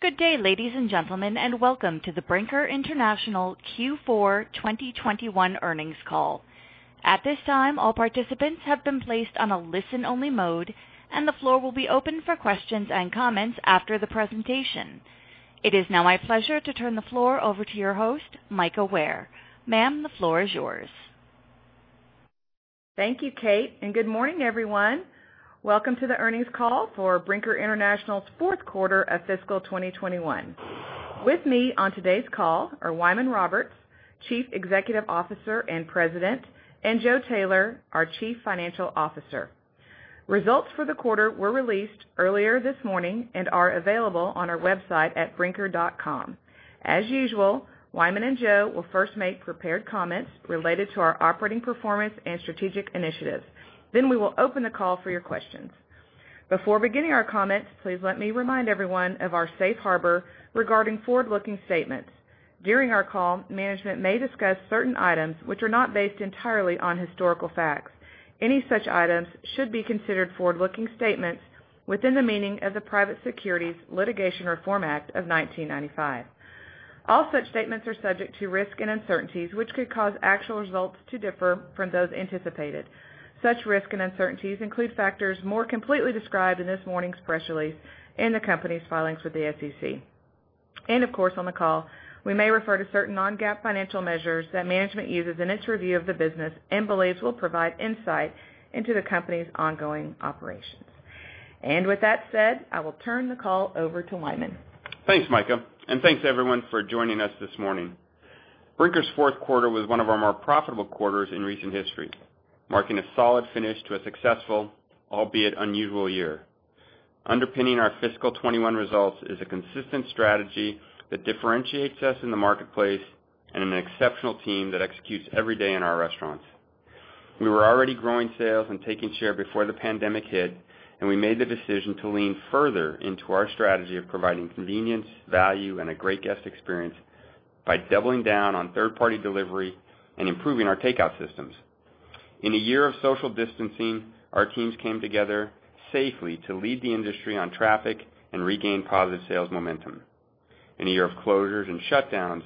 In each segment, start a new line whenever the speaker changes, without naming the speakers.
Good day, ladies and gentlemen, welcome to the Brinker International Q4 2021 earnings call. At this time, all participants have been placed on a listen-only mode. The floor will be open for questions and comments after the presentation. It is now my pleasure to turn the floor over to your host, Mika Ware. Ma'am, the floor is yours.
Thank you, Kate. Good morning, everyone. Welcome to the earnings call for Brinker International's fourth quarter of FY 2021. With me on today's call are Wyman Roberts, Chief Executive Officer and President, and Joe Taylor, our Chief Financial Officer. Results for the quarter were released earlier this morning and are available on our website at brinker.com. As usual, Wyman and Joe will first make prepared comments related to our operating performance and strategic initiatives. We will open the call for your questions. Before beginning our comments, please let me remind everyone of our safe harbor regarding forward-looking statements. During our call, management may discuss certain items which are not based entirely on historical facts. Any such items should be considered forward-looking statements within the meaning of the Private Securities Litigation Reform Act of 1995. All such statements are subject to risk and uncertainties, which could cause actual results to differ from those anticipated. Such risk and uncertainties include factors more completely described in this morning's press release in the company's filings with the SEC. Of course, on the call, we may refer to certain non-GAAP financial measures that management uses in its review of the business and believes will provide insight into the company's ongoing operations. With that said, I will turn the call over to Wyman.
Thanks, Mika. Thanks, everyone, for joining us this morning. Brinker's fourth quarter was one of our more profitable quarters in recent history, marking a solid finish to a successful, albeit unusual year. Underpinning our fiscal 2021 results is a consistent strategy that differentiates us in the marketplace and an exceptional team that executes every day in our restaurants. We were already growing sales and taking share before the pandemic hit, and we made the decision to lean further into our strategy of providing convenience, value, and a great guest experience by doubling down on third-party delivery and improving our takeout systems. In a year of social distancing, our teams came together safely to lead the industry on traffic and regain positive sales momentum. In a year of closures and shutdowns,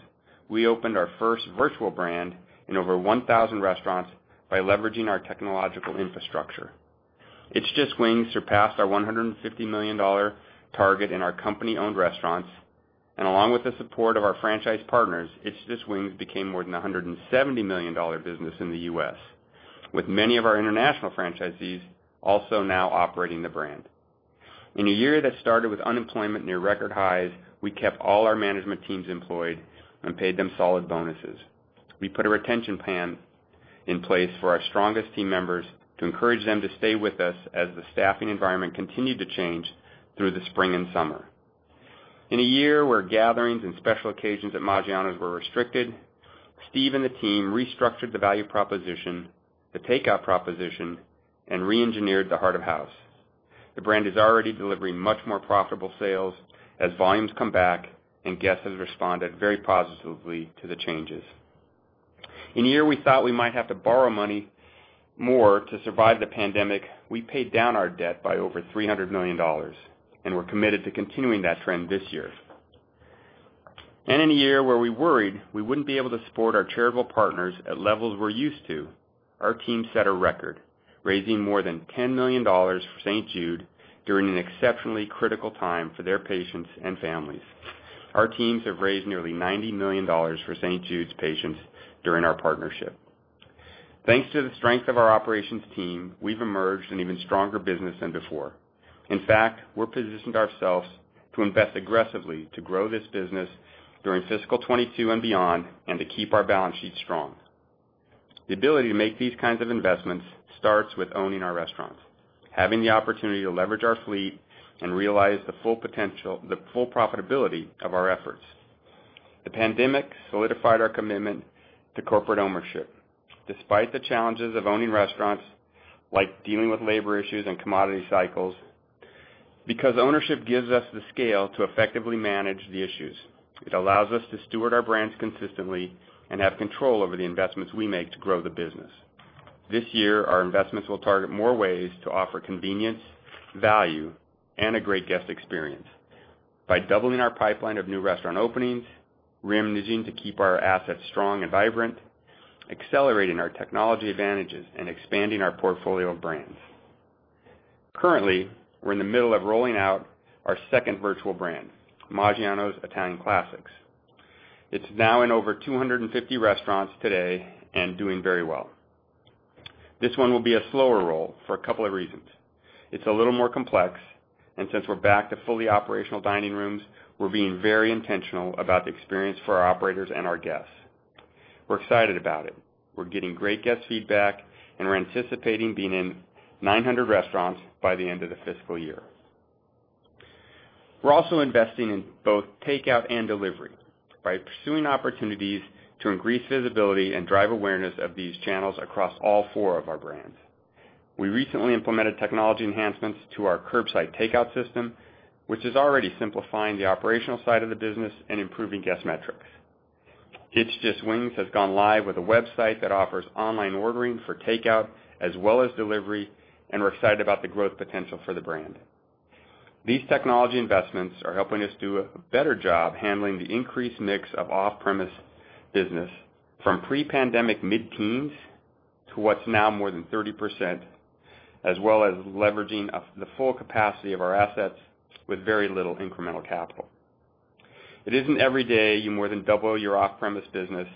we opened our first virtual brand in over 1,000 restaurants by leveraging our technological infrastructure. It's Just Wings surpassed our $150 million target in our company-owned restaurants, and along with the support of our franchise partners, It's Just Wings became more than a $170 million business in the U.S., with many of our international franchisees also now operating the brand. In a year that started with unemployment near record highs, we kept all our management teams employed and paid them solid bonuses. We put a retention plan in place for our strongest team members to encourage them to stay with us as the staffing environment continued to change through the spring and summer. In a year where gatherings and special occasions at Maggiano's were restricted, Steve and the team restructured the value proposition, the takeout proposition, and reengineered the heart of house. The brand is already delivering much more profitable sales as volumes come back, and guests have responded very positively to the changes. In a year we thought we might have to borrow money more to survive the pandemic, we paid down our debt by over $300 million, and we're committed to continuing that trend this year. In a year where we worried we wouldn't be able to support our charitable partners at levels we're used to, our team set a record, raising more than $10 million for St. Jude during an exceptionally critical time for their patients and families. Our teams have raised nearly $90 million for St. Jude's patients during our partnership. Thanks to the strength of our operations team, we've emerged an even stronger business than before. In fact, we're positioned ourselves to invest aggressively to grow this business during fiscal 2022 and beyond, and to keep our balance sheet strong. The ability to make these kinds of investments starts with owning our restaurants, having the opportunity to leverage our fleet and realize the full profitability of our efforts. The pandemic solidified our commitment to corporate ownership. Despite the challenges of owning restaurants, like dealing with labor issues and commodity cycles, because ownership gives us the scale to effectively manage the issues. It allows us to steward our brands consistently and have control over the investments we make to grow the business. This year, our investments will target more ways to offer convenience, value, and a great guest experience by doubling our pipeline of new restaurant openings, renovating to keep our assets strong and vibrant, accelerating our technology advantages, and expanding our portfolio of brands. Currently, we're in the middle of rolling out our second virtual brand, Maggiano's Italian Classics. It's now in over 250 restaurants today and doing very well. This one will be a slower roll for a couple of reasons. It's a little more complex, and since we're back to fully operational dining rooms, we're being very intentional about the experience for our operators and our guests. We're excited about it. We're getting great guest feedback, and we're anticipating being in 900 restaurants by the end of the fiscal year. We're also investing in both takeout and delivery by pursuing opportunities to increase visibility and drive awareness of these channels across all four of our brands. We recently implemented technology enhancements to our curbside takeout system, which is already simplifying the operational side of the business and improving guest metrics. It's Just Wings has gone live with a website that offers online ordering for takeout as well as delivery, and we're excited about the growth potential for the brand. These technology investments are helping us do a better job handling the increased mix of off-premise business from pre-pandemic mid-teens to what's now more than 30%, as well as leveraging the full capacity of our assets with very little incremental capital. It isn't every day you more than double your off-premise business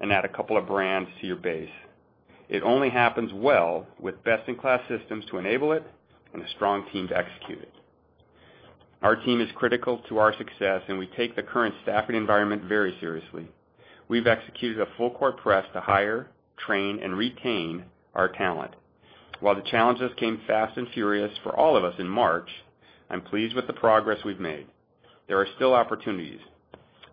and add two brands to your base. It only happens well with best-in-class systems to enable it and a strong team to execute it. Our team is critical to our success, and we take the current staffing environment very seriously. We've executed a full court press to hire, train, and retain our talent. While the challenges came fast and furious for all of us in March, I'm pleased with the progress we've made. There are still opportunities,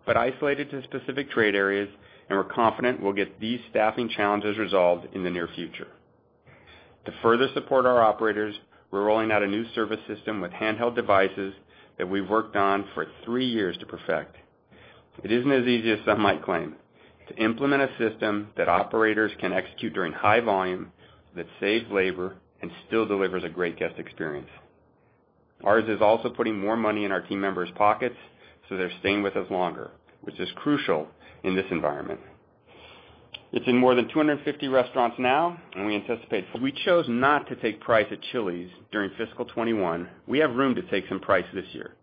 but isolated to specific trade areas, and we're confident we'll get these staffing challenges resolved in the near future. To further support our operators, we're rolling out a new service system with handheld devices that we've worked on for three years to perfect. It isn't as easy as some might claim. To implement a system that operators can execute during high volume, that saves labor, and still delivers a great guest experience. Ours is also putting more money in our team members' pockets, so they're staying with us longer, which is crucial in this environment. It's in more than 250 restaurants now. We chose not to take price at Chili's during fiscal 2021. We have room to take some price this year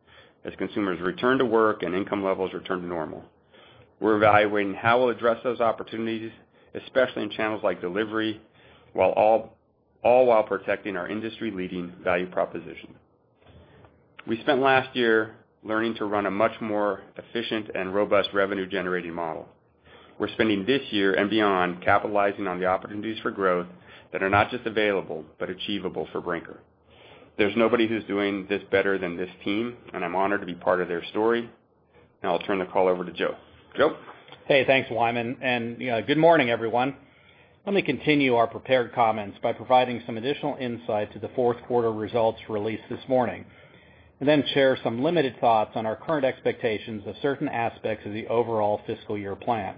as consumers return to work and income levels return to normal. We're evaluating how we'll address those opportunities, especially in channels like delivery, all while protecting our industry-leading value proposition. We spent last year learning to run a much more efficient and robust revenue-generating model. We're spending this year and beyond capitalizing on the opportunities for growth that are not just available but achievable for Brinker. There's nobody who's doing this better than this team, and I'm honored to be part of their story. Now, I'll turn the call over to Joe. Joe?
Hey, thanks, Wyman. Good morning, everyone. Let me continue our prepared comments by providing some additional insight to the fourth quarter results released this morning, and then share some limited thoughts on our current expectations of certain aspects of the overall fiscal year plan.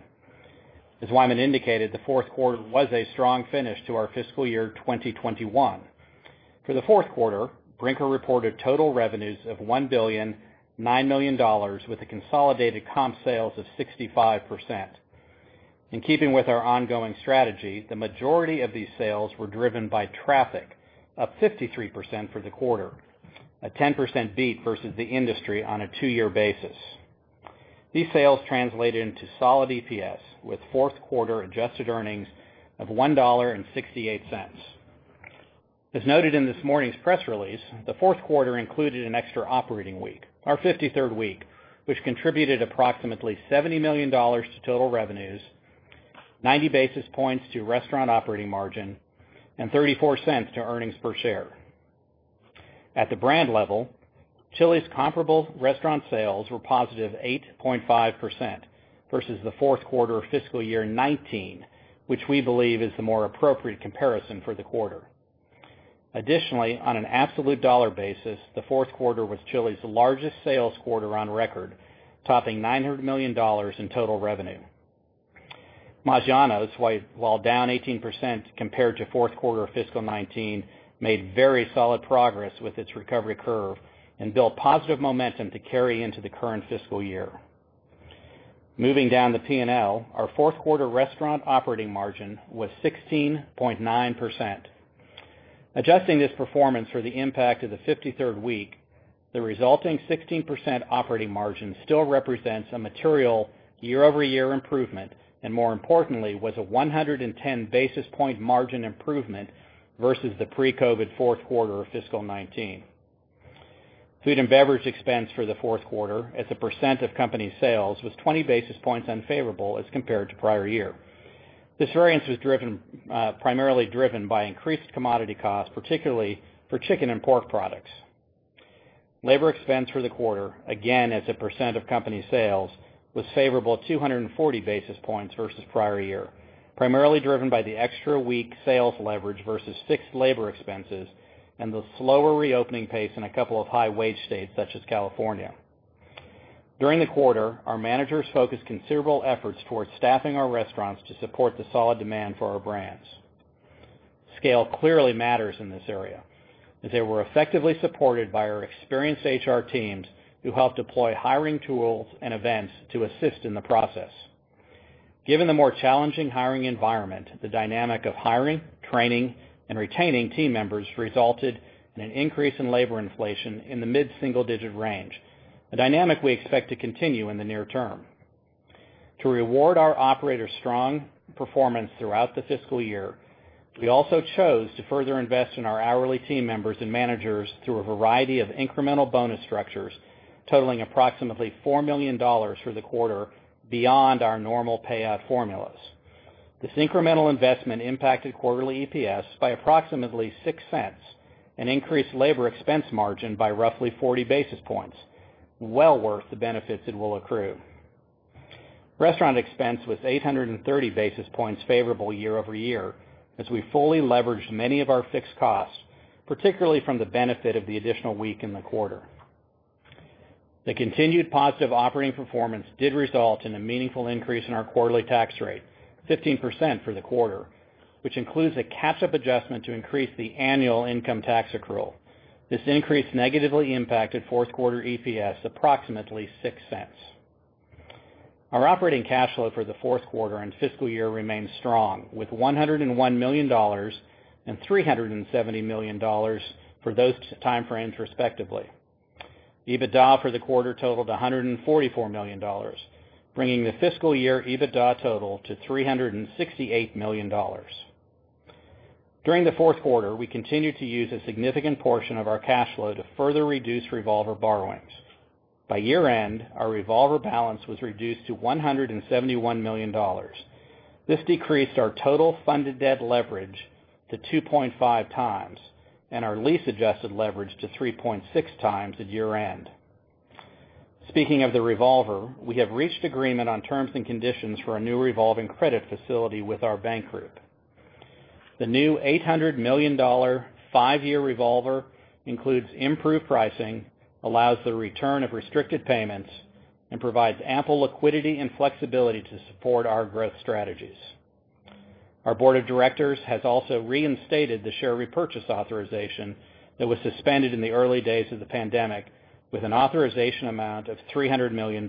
As Wyman indicated, the fourth quarter was a strong finish to our fiscal year 2021. For the fourth quarter, Brinker reported total revenues of $1,009,000,000, with a consolidated comp sales of 65%. In keeping with our ongoing strategy, the majority of these sales were driven by traffic, up 53% for the quarter, a 10% beat versus the industry on a two-year basis. These sales translated into solid EPS, with fourth quarter adjusted earnings of $1.68. As noted in this morning's press release, the fourth quarter included an extra operating week, our 53rd week, which contributed approximately $70 million to total revenues, 90 basis points to restaurant operating margin, and $0.34 to earnings per share. At the brand level, Chili's comparable restaurant sales were +8.5% versus the fourth quarter of fiscal year 2019, which we believe is the more appropriate comparison for the quarter. Additionally, on an absolute dollar basis, the fourth quarter was Chili's largest sales quarter on record, topping $900 million in total revenue. Maggiano's, while down 18% compared to fourth quarter of fiscal 2019, made very solid progress with its recovery curve and built positive momentum to carry into the current fiscal year. Moving down the P&L, our fourth quarter restaurant operating margin was 16.9%. Adjusting this performance for the impact of the 53rd week, the resulting 16% operating margin still represents a material year-over-year improvement, and more importantly, was a 110 basis point margin improvement versus the pre-COVID fourth quarter of fiscal 2019. Food and beverage expense for the fourth quarter as a percent of company sales, was 20 basis points unfavorable as compared to prior year. This variance was primarily driven by increased commodity costs, particularly for chicken and pork products. Labor expense for the quarter, again as a percent of company sales, was favorable at 240 basis points versus prior year, primarily driven by the extra week sales leverage versus fixed labor expenses and the slower reopening pace in a couple of high-wage states, such as California. During the quarter, our managers focused considerable efforts towards staffing our restaurants to support the solid demand for our brands. Scale clearly matters in this area, as they were effectively supported by our experienced HR teams who helped deploy hiring tools and events to assist in the process. Given the more challenging hiring environment, the dynamic of hiring, training, and retaining team members resulted in an increase in labor inflation in the mid-single digit range, a dynamic we expect to continue in the near term. To reward our operators' strong performance throughout the fiscal year, we also chose to further invest in our hourly team members and managers through a variety of incremental bonus structures totaling approximately $4 million for the quarter beyond our normal payout formulas. This incremental investment impacted quarterly EPS by approximately $0.06 and increased labor expense margin by roughly 40 basis points. Well worth the benefits it will accrue. Restaurant expense was 830 basis points favorable year-over-year as we fully leveraged many of our fixed costs, particularly from the benefit of the additional week in the quarter. The continued positive operating performance did result in a meaningful increase in our quarterly tax rate, 15% for the quarter, which includes a catch-up adjustment to increase the annual income tax accrual. This increase negatively impacted fourth quarter EPS approximately $0.06. Our operating cash flow for the fourth quarter and fiscal year remains strong, with $101 million and $370 million for those time frames respectively. EBITDA for the quarter totaled $144 million, bringing the fiscal year EBITDA total to $368 million. During the fourth quarter, we continued to use a significant portion of our cash flow to further reduce revolver borrowings. By year-end, our revolver balance was reduced to $171 million. This decreased our total funded debt leverage to 2.x and our lease-adjusted leverage to 3.6x at year-end. Speaking of the revolver, we have reached agreement on terms and conditions for a new revolving credit facility with our bank group. The new $800 million, five-year revolver includes improved pricing, allows the return of restricted payments, and provides ample liquidity and flexibility to support our growth strategies. Our board of directors has also reinstated the share repurchase authorization that was suspended in the early days of the pandemic, with an authorization amount of $300 million.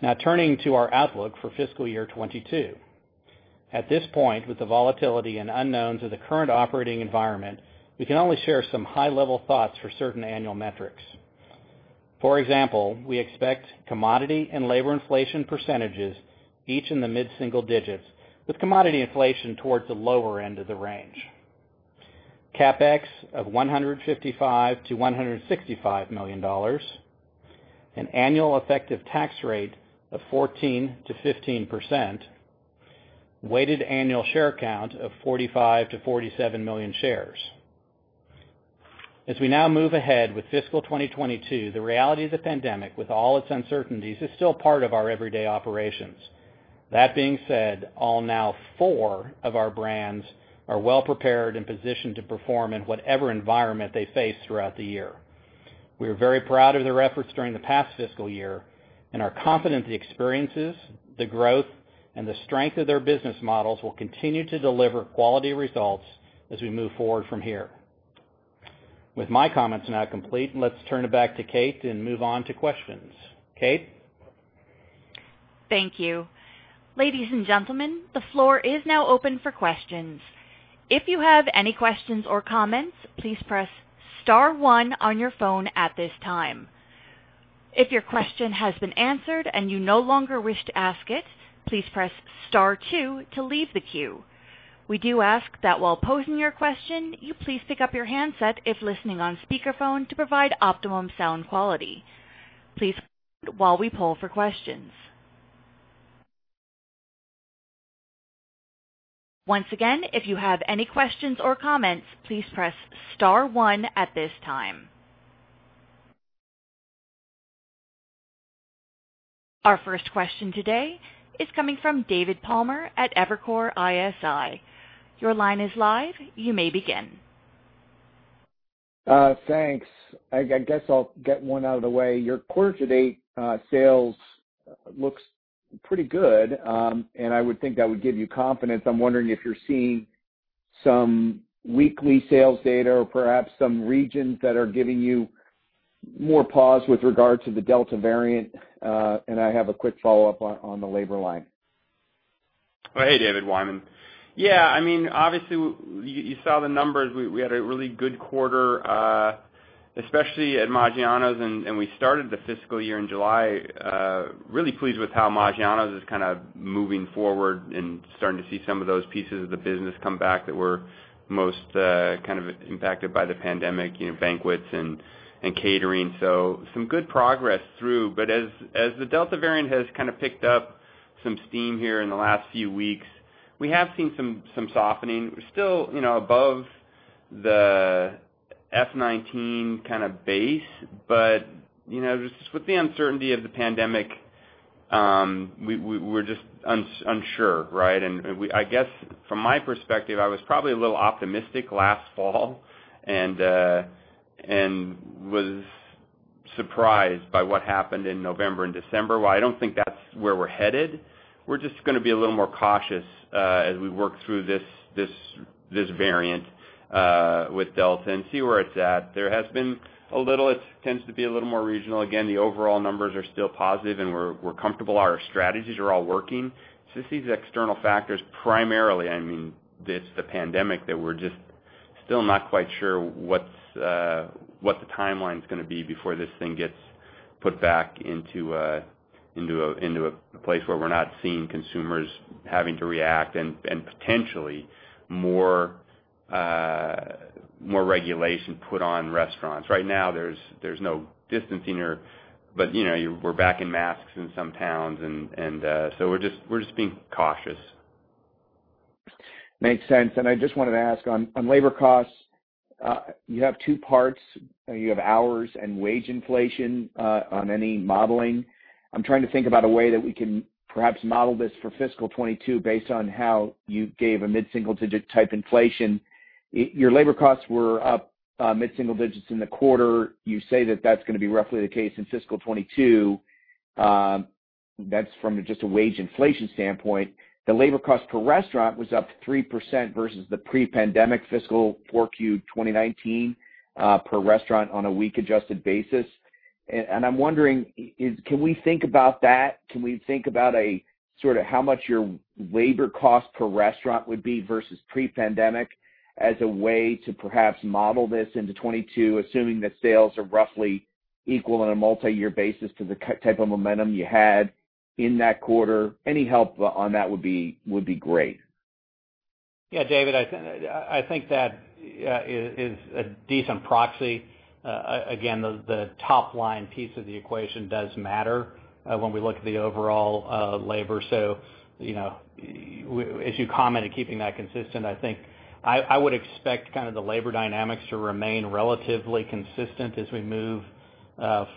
Now turning to our outlook for fiscal year 2022. At this point, with the volatility and unknowns of the current operating environment, we can only share some high-level thoughts for certain annual metrics. For example, we expect commodity and labor inflation percentages each in the mid-single digits, with commodity inflation towards the lower end of the range. CapEx of $155 million-$165 million, an annual effective tax rate of 14%-15%, weighted annual share count of 45 million-47 million shares. As we now move ahead with fiscal 2022, the reality is the pandemic, with all its uncertainties, is still part of our everyday operations. That being said, all now four of our brands are well prepared and positioned to perform in whatever environment they face throughout the year. We are very proud of their efforts during the past fiscal year and are confident the experiences, the growth, and the strength of their business models will continue to deliver quality results as we move forward from here. With my comments now complete, let's turn it back to Kate and move on to questions. Kate?
Thank you. Ladies and gentlemen, the floor is now open for questions. If you have any questions or comments, please press star one on your phone at this time. If your question has been answered and you no longer wish to ask it, please press star two to leave the queue. We do ask that while posing your question, you please pick up your handset if listening on speakerphone to provide optimum sound quality. Please while we poll for questions. Once again, if you have any questions or comments, please press star one at this time. Our first question today is coming from David Palmer at Evercore ISI. Your line is live. You may begin.
Thanks. I guess I'll get one out of the way. Your quarter to date sales looks pretty good, and I would think that would give you confidence. I'm wondering if you're seeing some weekly sales data or perhaps some regions that are giving you more pause with regard to the Delta variant. I have a quick follow-up on the labor line.
Oh, hey, David. Wyman. Yeah, obviously, you saw the numbers. We had a really good quarter, especially at Maggiano's, and we started the fiscal year in July. Really pleased with how Maggiano's is kind of moving forward and starting to see some of those pieces of the business come back that were most impacted by the pandemic, banquets and catering. Some good progress through. As the Delta variant has kind of picked up some steam here in the last few weeks, we have seen some softening. We're still above the FY 2019 kind of base. With the uncertainty of the pandemic, we're just unsure, right? I guess from my perspective, I was probably a little optimistic last fall and was surprised by what happened in November and December. While I don't think that's where we're headed, we're just going to be a little more cautious as we work through this variant with Delta and see where it's at. It tends to be a little more regional. The overall numbers are still positive, and we're comfortable our strategies are all working. It's just these external factors, primarily, I mean, the pandemic, that we're just still not quite sure what the timeline's going to be before this thing gets put back into a place where we're not seeing consumers having to react, and potentially more regulation put on restaurants. Right now, there's no distancing, but we're backing masks in some towns. We're just being cautious.
Makes sense. I just wanted to ask on labor costs, you have two parts. You have hours and wage inflation on any modeling. I am trying to think about a way that we can perhaps model this for fiscal 2022 based on how you gave a mid-single digit type inflation. Your labor costs were up mid-single digits in the quarter. You say that that is going to be roughly the case in fiscal 2022. That is from just a wage inflation standpoint. The labor cost per restaurant was up 3% versus the pre-pandemic fiscal Q4 2019 per restaurant on a week adjusted basis. I am wondering, can we think about that? Can we think about how much your labor cost per restaurant would be versus pre-pandemic as a way to perhaps model this into 2022, assuming that sales are roughly equal on a multi-year basis to the type of momentum you had in that quarter? Any help on that would be great.
Yeah, David, I think that is a decent proxy. Again, the top line piece of the equation does matter when we look at the overall labor. As you commented, keeping that consistent, I think I would expect the labor dynamics to remain relatively consistent as we move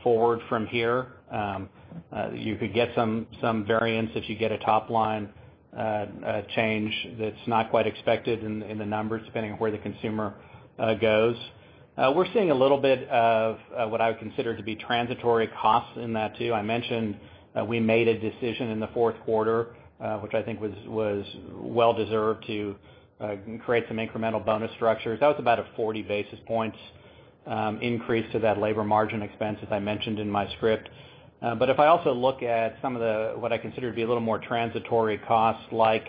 forward from here. You could get some variance if you get a top line change that's not quite expected in the numbers, depending on where the consumer goes. We're seeing a little bit of what I would consider to be transitory costs in that, too. I mentioned we made a decision in the fourth quarter, which I think was well deserved, to create some incremental bonus structures. That was about a 40 basis points increase to that labor margin expense, as I mentioned in my script. If I also look at some of what I consider to be a little more transitory costs, like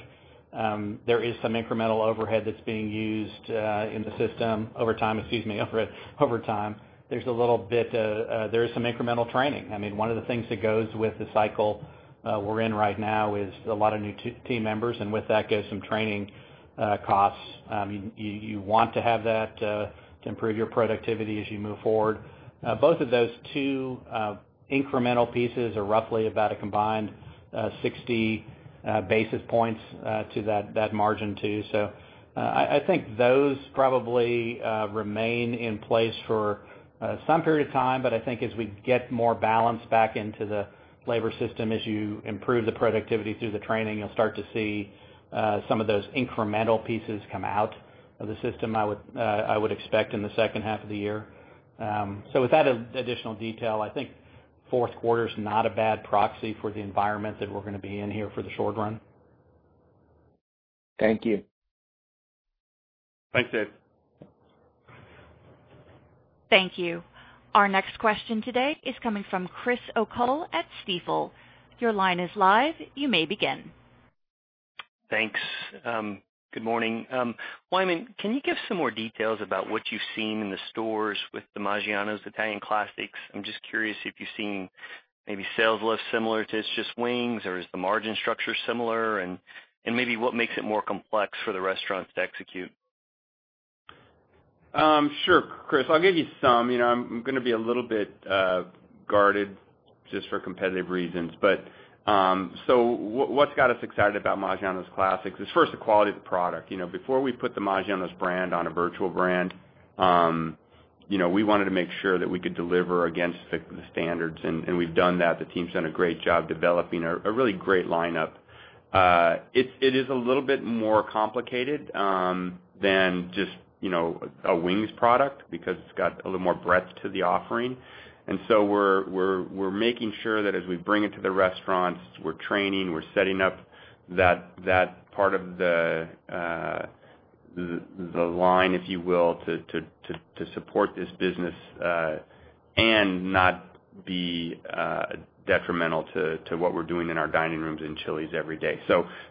there is some incremental overhead that's being used in the system over time. There is some incremental training. One of the things that goes with the cycle we're in right now is a lot of new team members, and with that goes some training costs. You want to have that to improve your productivity as you move forward. Both of those two incremental pieces are roughly about a combined 60 basis points to that margin, too. I think those probably remain in place for some period of time. I think as we get more balance back into the labor system, as you improve the productivity through the training, you'll start to see some of those incremental pieces come out of the system, I would expect in the second half of the year. With that additional detail, I think fourth quarter is not a bad proxy for the environment that we're going to be in here for the short run.
Thank you.
Thanks, Dave.
Thank you. Our next question today is coming from Chris O'Cull at Stifel. Your line is live. You may begin.
Thanks. Good morning. Wyman, can you give some more details about what you've seen in the stores with the Maggiano's Italian Classics? I'm just curious if you've seen maybe sales less similar to It's Just Wings, or is the margin structure similar? Maybe what makes it more complex for the restaurants to execute?
Sure, Chris, I'll give you some. I'm going to be a little bit guarded just for competitive reasons. What's got us excited about Maggiano's Classics is first the quality of the product. Before we put the Maggiano's brand on a virtual brand, we wanted to make sure that we could deliver against the standards. We've done that. The team's done a great job developing a really great lineup. It is a little bit more complicated than just a wings product because it's got a little more breadth to the offering. We're making sure that as we bring it to the restaurants, we're training, we're setting up that part of the line, if you will, to support this business and not be detrimental to what we're doing in our dining rooms in Chili's every day.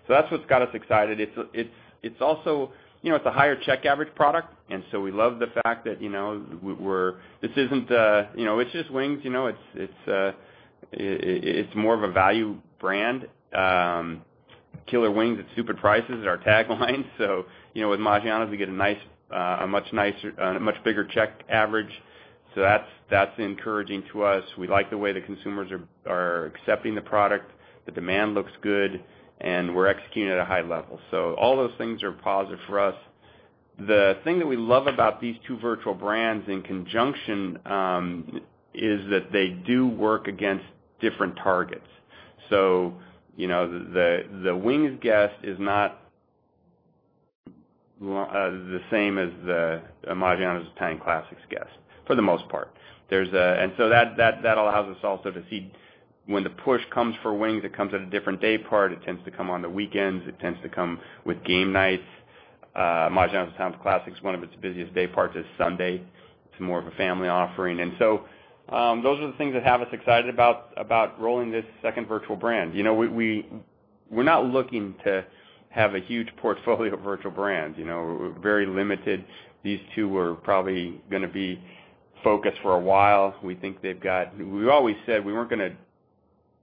That's what's got us excited. It's a higher check average product. We love the fact that It's Just Wings, it's more of a value brand. "Killer wings at stupid prices" is our tagline. With Maggiano's, we get a much bigger check average. That's encouraging to us. We like the way the consumers are accepting the product. The demand looks good, and we're executing at a high level. All those things are positive for us. The thing that we love about these two virtual brands in conjunction is that they do work against different targets. The wings guest is not the same as the Maggiano's Italian Classics guest, for the most part. That allows us also to see when the push comes for wings, it comes at a different day part. It tends to come on the weekends. It tends to come with game nights. Maggiano's Italian Classics, one of its busiest day parts is Sunday. It's more of a family offering. Those are the things that have us excited about rolling this second virtual brand. We're not looking to have a huge portfolio of virtual brands. We're very limited. These two are probably going to be focused for a while. We always said we weren't going to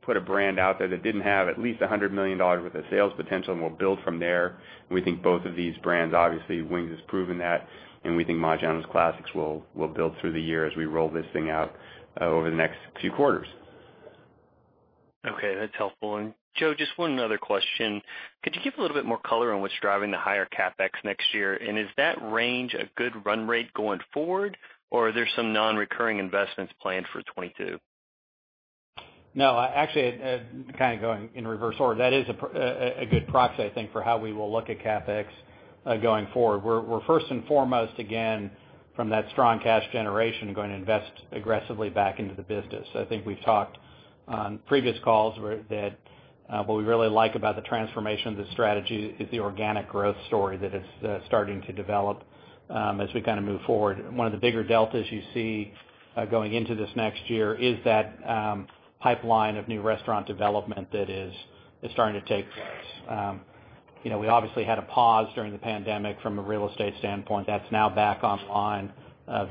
put a brand out there that didn't have at least $100 million worth of sales potential, and we'll build from there. We think both of these brands, obviously It's Just Wings has proven that, and we think Maggiano's Classics will build through the year as we roll this thing out over the next few quarters.
Okay, that's helpful. Joe, just one other question. Could you give a little bit more color on what's driving the higher CapEx next year? Is that range a good run rate going forward, or are there some non-recurring investments planned for 2022?
Actually, kind of going in reverse order. That is a good proxy, I think, for how we will look at CapEx going forward. We're first and foremost, again, from that strong cash generation, going to invest aggressively back into the business. I think we've talked on previous calls where what we really like about the transformation of the strategy is the organic growth story that is starting to develop as we move forward. One of the bigger deltas you see going into this next year is that pipeline of new restaurant development that is starting to take place. We obviously had a pause during the pandemic from a real estate standpoint. That's now back online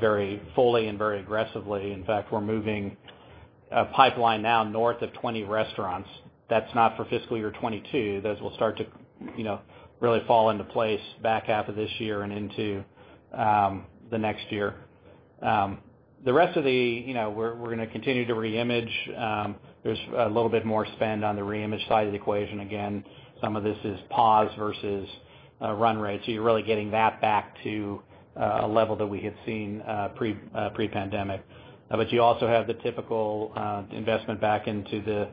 very fully and very aggressively. In fact, we're moving a pipeline now north of 20 restaurants. That's not for fiscal year 2022. Those will start to really fall into place back half of this year and into the next year. We're going to continue to reimage. There's a little bit more spend on the reimage side of the equation. Some of this is pause versus run rate. You're really getting that back to a level that we had seen pre-pandemic. You also have the typical investment back into the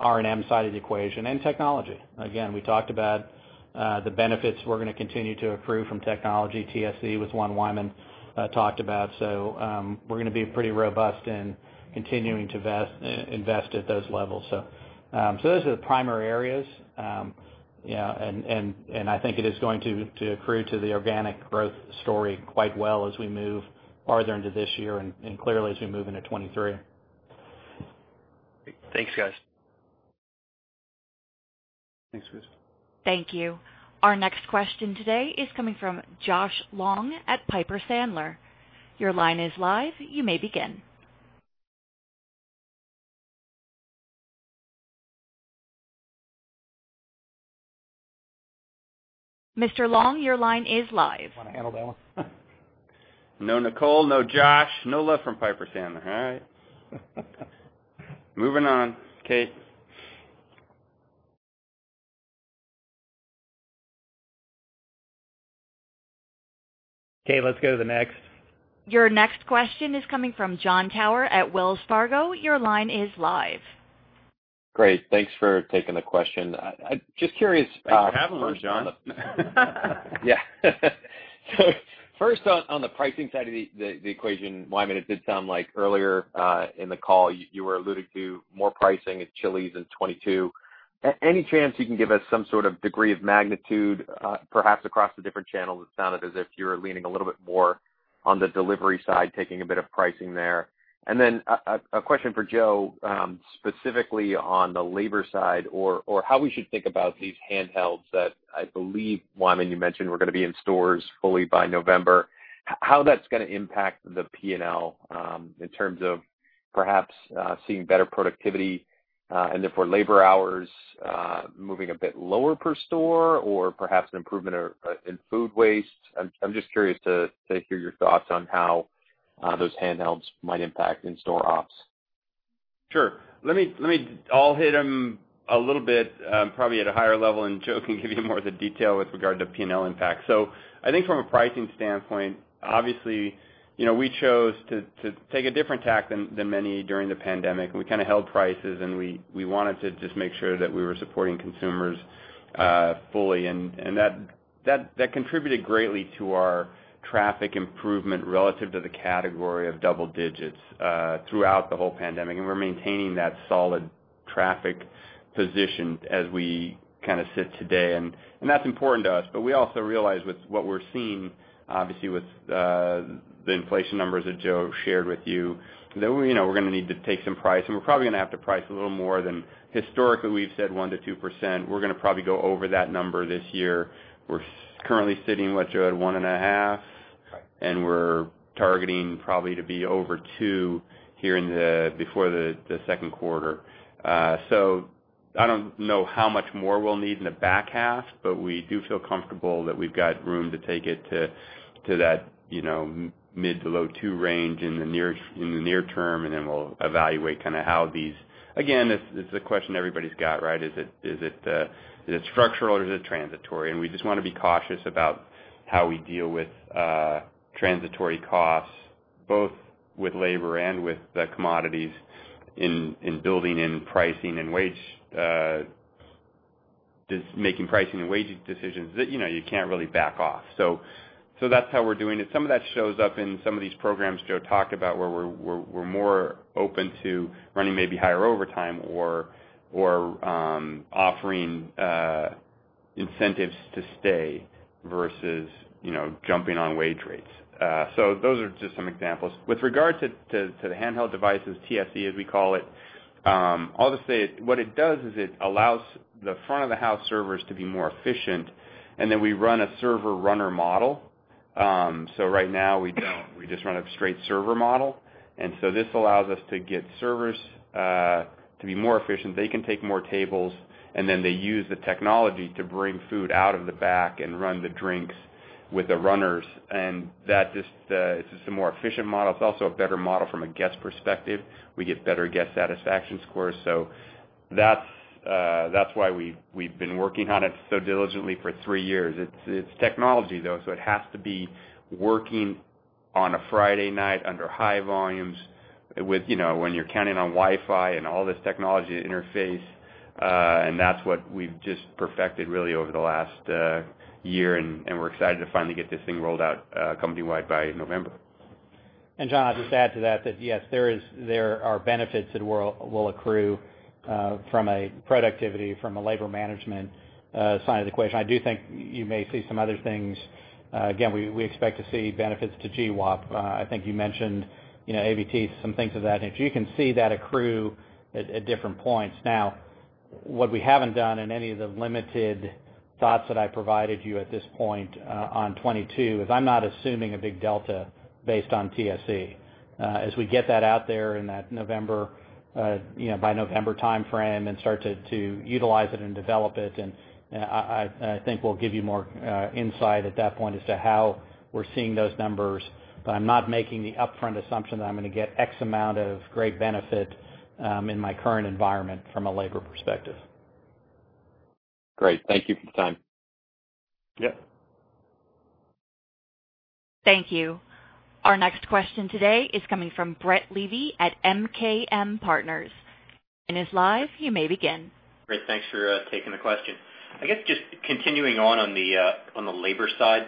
R&M side of the equation and technology. We talked about the benefits we're going to continue to accrue from technology, TSE, which Wyman Roberts talked about. We're going to be pretty robust in continuing to invest at those levels. Those are the primary areas. I think it is going to accrue to the organic growth story quite well as we move farther into this year and clearly as we move into 2023.
Thanks, guys.
Thanks, Chris.
Thank you. Our next question today is coming from Josh Long at Piper Sandler. Your line is live. You may begin. Mr. Long, your line is live.
Want to handle that one?
No Nicole, no Josh, no love from Piper Sandler, all right? Moving on. Kate.
Kate, let's go to the next.
Your next question is coming from Jon Tower at Wells Fargo. Your line is live.
Great. Thanks for taking the question. Just curious.
Thanks for having me, Jon.
Yeah. First on the pricing side of the equation, Wyman, it did sound like earlier in the call you were alluding to more pricing at Chili's in 2022. Any chance you can give us some sort of degree of magnitude, perhaps across the different channels? It sounded as if you were leaning a little bit more on the delivery side, taking a bit of pricing there. A question for Joe, specifically on the labor side or how we should think about these handhelds that I believe, Wyman, you mentioned were going to be in stores fully by November. How that's going to impact the P&L in terms of perhaps seeing better productivity, and therefore labor hours moving a bit lower per store or perhaps an improvement in food waste. I'm just curious to hear your thoughts on how those handhelds might impact in-store ops.
Sure. I'll hit them a little bit, probably at a higher level, and Joe can give you more of the detail with regard to P&L impact. I think from a pricing standpoint, obviously, we chose to take a different tact than many during the pandemic. We held prices, and we wanted to just make sure that we were supporting consumers fully. That contributed greatly to our traffic improvement relative to the category of double digits throughout the whole pandemic. We're maintaining that solid traffic position as we sit today, and that's important to us. We also realize with what we're seeing, obviously with the inflation numbers that Joe shared with you, that we're going to need to take some price, and we're probably going to have to price a little more than historically we've said 1%-2%. We're going to probably go over that number this year. We're currently sitting, what, Joe, at 1.5%?
Right.
We're targeting probably to be over 2% before the second quarter. I don't know how much more we'll need in the back half, but we do feel comfortable that we've got room to take it to that mid to low 2% range in the near term, and then we'll evaluate how these again, it's a question everybody's got, right? Is it structural or is it transitory? We just want to be cautious about how we deal with transitory costs, both with labor and with the commodities in building in pricing and wage, making pricing and wage decisions that you can't really back off. That's how we're doing it. Some of that shows up in some of these programs Joe talked about where we're more open to running maybe higher overtime or offering incentives to stay versus jumping on wage rates. Those are just some examples. With regard to the handheld devices, TSE, as we call it, I'll just say what it does is it allows the front of the house servers to be more efficient, and then we run a server runner model. Right now we don't. We just run a straight server model. This allows us to get servers to be more efficient. They can take more tables, and then they use the technology to bring food out of the back and run the drinks with the runners. That just is a more efficient model. It's also a better model from a guest perspective. We get better guest satisfaction scores. That's why we've been working on it so diligently for three years. It's technology, though, so it has to be working on a Friday night under high volumes, when you're counting on Wi-Fi and all this technology to interface, and that's what we've just perfected really over the last year, and we're excited to finally get this thing rolled out company-wide by November.
Jon, I'll just add to that yes, there are benefits that will accrue from a productivity, from a labor management side of the equation. I do think you may see some other things. Again, we expect to see benefits to GWOP. I think you mentioned ABT, some things of that nature. You can see that accrue at different points. Now, what we haven't done in any of the limited thoughts that I provided you at this point on 2022, is I'm not assuming a big delta based on TSE. As we get that out there by November timeframe and start to utilize it and develop it, I think we'll give you more insight at that point as to how we're seeing those numbers. I'm not making the upfront assumption that I'm going to get X amount of great benefit in my current environment from a labor perspective.
Great. Thank you for the time.
Yep.
Thank you. Our next question today is coming from Brett Levy at MKM Partners. Is live, you may begin.
Great. Thanks for taking the question. I guess just continuing on the labor side.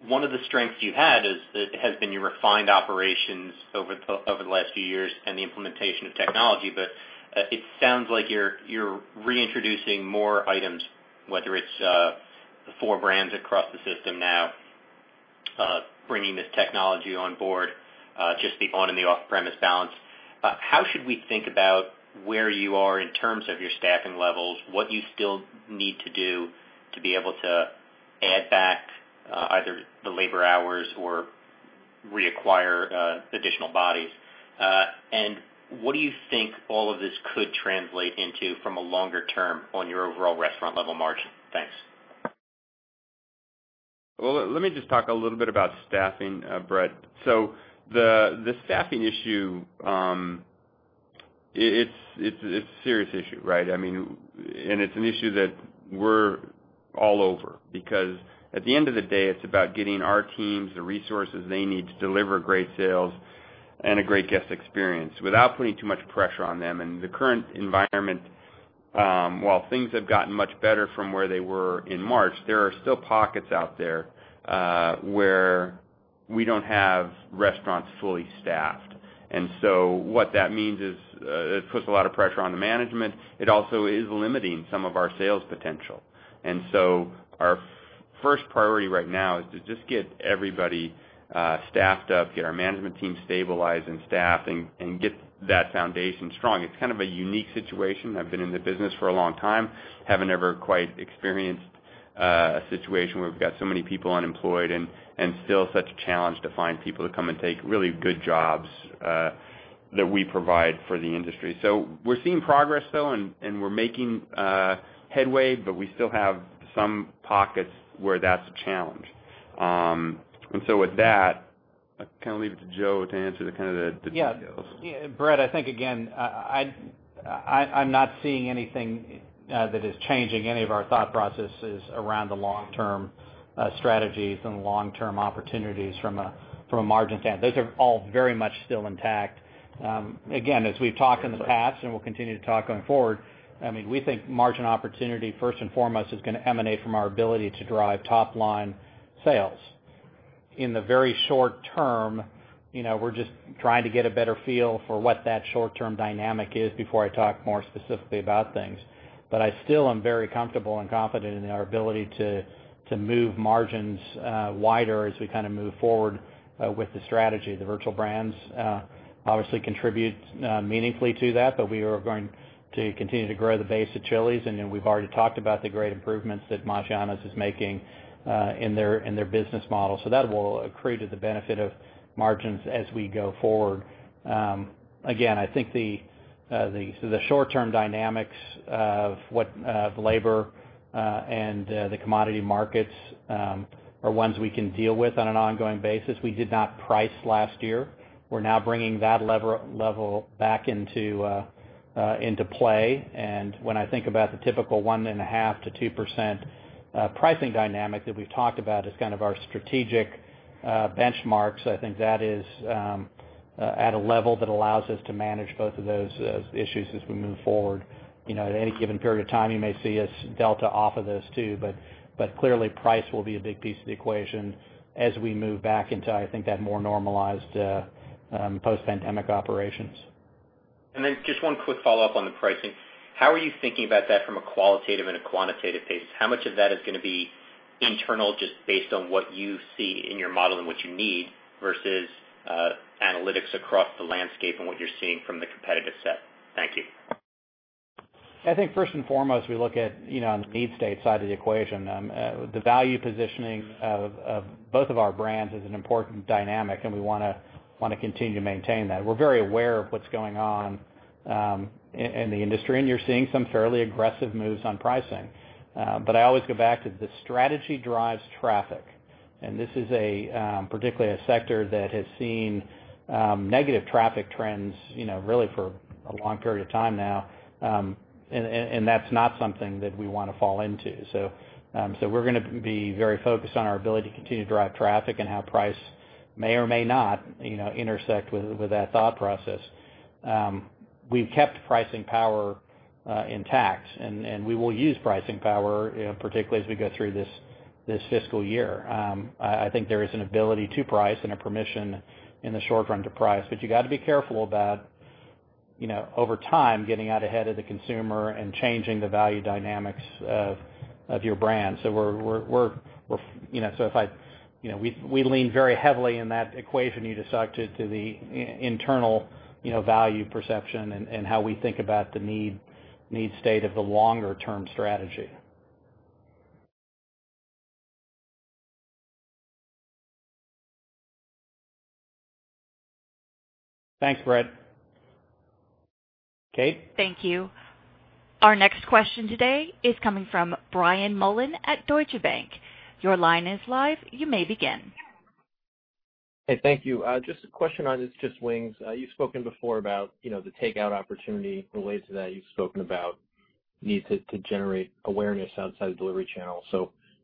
One of the strengths you've had has been your refined operations over the last few years and the implementation of technology, but it sounds like you're reintroducing more items, whether it's the four brands across the system now, bringing this technology on board, just the on and the off-premise balance. How should we think about where you are in terms of your staffing levels, what you still need to do to be able to add back either the labor hours or reacquire additional bodies? What do you think all of this could translate into from a longer term on your overall restaurant level margin? Thanks.
Well, let me just talk a little bit about staffing, Brett. The staffing issue, it's a serious issue. It's an issue that we're all over because at the end of the day, it's about getting our teams the resources they need to deliver great sales and a great guest experience without putting too much pressure on them. The current environment, while things have gotten much better from where they were in March, there are still pockets out there where we don't have restaurants fully staffed. What that means is it puts a lot of pressure on the management. It also is limiting some of our sales potential. Our first priority right now is to just get everybody staffed up, get our management team stabilized and staffed, and get that foundation strong. It's kind of a unique situation. I've been in the business for a long time, haven't ever quite experienced a situation where we've got so many people unemployed and still such a challenge to find people to come and take really good jobs that we provide for the industry. We're seeing progress though, and we're making headway, but we still have some pockets where that's a challenge. With that, I leave it to Joe to answer the details.
Brett, I think again, I'm not seeing anything that is changing any of our thought processes around the long-term strategies and long-term opportunities from a margin standpoint. Those are all very much still intact. Again, as we've talked in the past and will continue to talk going forward, we think margin opportunity first and foremost is going to emanate from our ability to drive top-line sales. In the very short-term, we're just trying to get a better feel for what that short-term dynamic is before I talk more specifically about things. I still am very comfortable and confident in our ability to move margins wider as we move forward with the strategy. The virtual brands obviously contribute meaningfully to that. We are going to continue to grow the base of Chili's, and then we've already talked about the great improvements that Maggiano's is making in their business model. That will accrete to the benefit of margins as we go forward. Again, I think the short-term dynamics of what the labor and the commodity markets are ones we can deal with on an ongoing basis. We did not price last year. We're now bringing that level back into play. When I think about the typical 1.5%-2% pricing dynamic that we've talked about as kind of our strategic benchmarks, I think that is at a level that allows us to manage both of those issues as we move forward. At any given period of time, you may see a delta off of this too, but clearly price will be a big piece of the equation as we move back into, I think, that more normalized post-pandemic operations.
Just one quick follow-up on the pricing. How are you thinking about that from a qualitative and a quantitative basis? How much of that is going to be internal just based on what you see in your model and what you need versus analytics across the landscape and what you're seeing from the competitive set? Thank you.
I think first and foremost, we look at on the need state side of the equation. The value positioning of both of our brands is an important dynamic, and we want to continue to maintain that. We're very aware of what's going on in the industry, and you're seeing some fairly aggressive moves on pricing. I always go back to the strategy drives traffic, and this is particularly a sector that has seen negative traffic trends really for a long period of time now. That's not something that we want to fall into. We're going to be very focused on our ability to continue to drive traffic and how price may or may not intersect with that thought process. We've kept pricing power intact, and we will use pricing power particularly as we go through this fiscal year. I think there is an ability to price and a permission in the short run to price, you got to be careful about over time, getting out ahead of the consumer and changing the value dynamics of your brand. We lean very heavily in that equation you described to the internal value perception and how we think about the need state of the longer-term strategy.
Thanks, Brett. Kate?
Thank you. Our next question today is coming from Brian Mullan at Deutsche Bank. Your line is live. You may begin.
Hey, thank you. Just a question on It's Just Wings. You've spoken before about the takeout opportunity related to that. You've spoken about the need to generate awareness outside of delivery channels.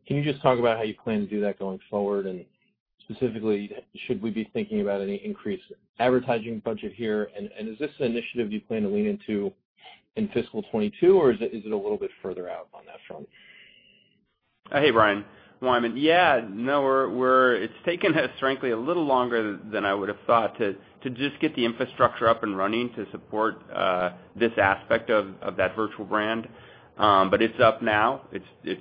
Can you just talk about how you plan to do that going forward? Specifically, should we be thinking about any increased advertising budget here? Is this an initiative you plan to lean into in fiscal 2022, or is it a little bit further out on that front?
Hey, Brian. Wyman. Yeah. No, it's taken us frankly, a little longer than I would've thought to just get the infrastructure up and running to support this aspect of that virtual brand. It's up now. It's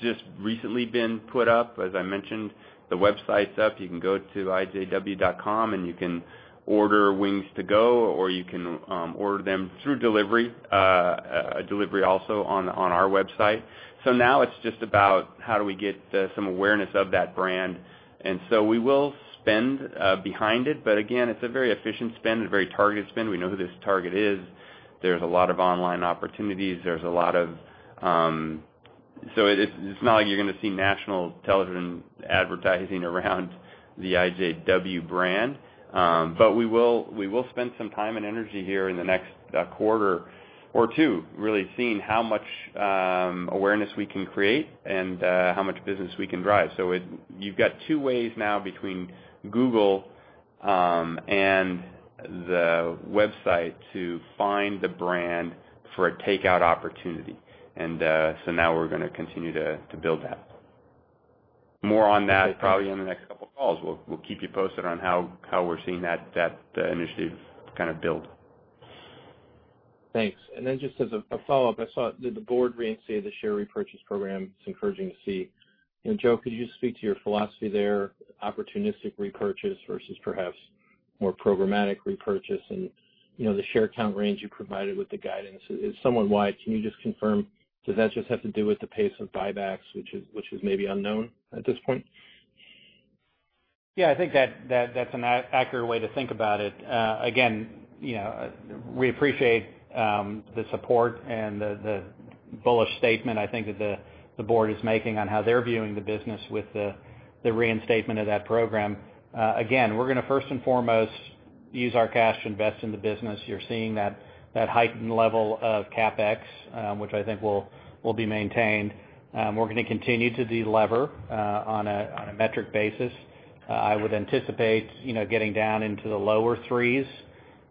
just recently been put up. As I mentioned, the website's up. You can go to itsjustwings.com and you can order wings to go, or you can order them through delivery, a delivery also on our website. Now it's just about how do we get some awareness of that brand, and so we will spend behind it, but again, it's a very efficient spend, a very targeted spend. We know who this target is. There's a lot of online opportunities. It's not like you're going to see national television advertising around the IJW brand. We will spend some time and energy here in the next quarter or two, really seeing how much awareness we can create and how much business we can drive. You've got two ways now between Google and the website to find the brand for a takeout opportunity. Now we're going to continue to build that. More on that probably in the next couple of calls. We'll keep you posted on how we're seeing that initiative build.
Thanks. Just as a follow-up, I saw that the board reinstated the share repurchase program. It's encouraging to see. Joe, could you just speak to your philosophy there, opportunistic repurchase versus perhaps more programmatic repurchase and the share count range you provided with the guidance is somewhat wide. Can you just confirm, does that just have to do with the pace of buybacks, which is maybe unknown at this point?
Yeah, I think that's an accurate way to think about it. We appreciate the support and the bullish statement I think that the board is making on how they're viewing the business with the reinstatement of that program. We're going to first and foremost use our cash to invest in the business. You're seeing that heightened level of CapEx, which I think will be maintained. We're going to continue to delever on a metric basis. I would anticipate getting down into the lower threes.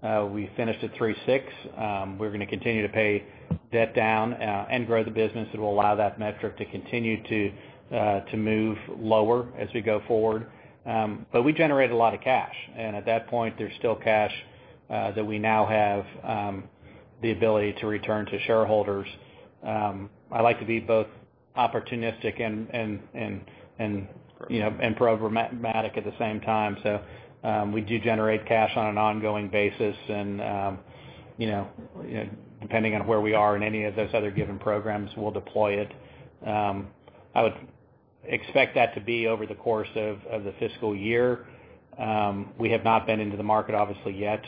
We finished at 3.6. We're going to continue to pay debt down and grow the business. It will allow that metric to continue to move lower as we go forward. We generate a lot of cash, and at that point, there's still cash that we now have the ability to return to shareholders. I like to be both opportunistic and programmatic at the same time. We do generate cash on an ongoing basis, and depending on where we are in any of those other given programs, we'll deploy it. I would expect that to be over the course of the fiscal year. We have not been into the market obviously yet,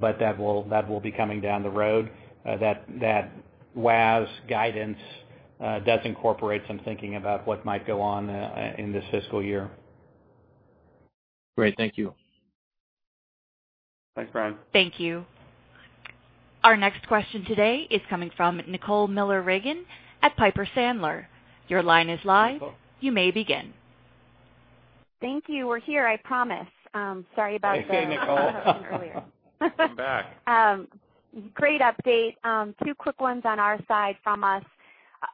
but that will be coming down the road. That WASO guidance does incorporate some thinking about what might go on in this fiscal year.
Great. Thank you.
Thanks, Brian.
Thank you. Our next question today is coming from Nicole Miller Regan at Piper Sandler. Your line is live. You may begin.
Thank you. We're here, I promise. Sorry about that.
Hey, Nicole.
Welcome back.
Great update. Two quick ones on our side from us.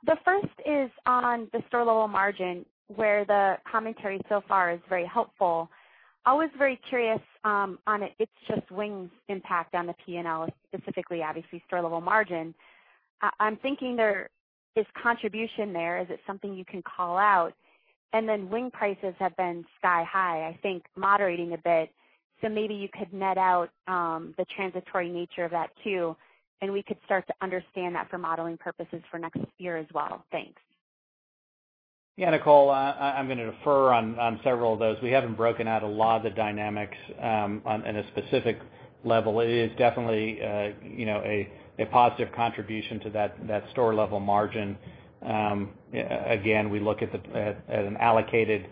The first is on the store level margin, where the commentary so far is very helpful. Always very curious on It's Just Wings impact on the P&L, specifically, obviously, store level margin. I'm thinking there is contribution there. Is it something you can call out? Wing prices have been sky high, I think moderating a bit. Maybe you could net out the transitory nature of that too, and we could start to understand that for modeling purposes for next year as well. Thanks.
Yeah, Nicole, I'm going to defer on several of those. We haven't broken out a lot of the dynamics in a specific level. It is definitely a positive contribution to that store-level margin. We look at an allocated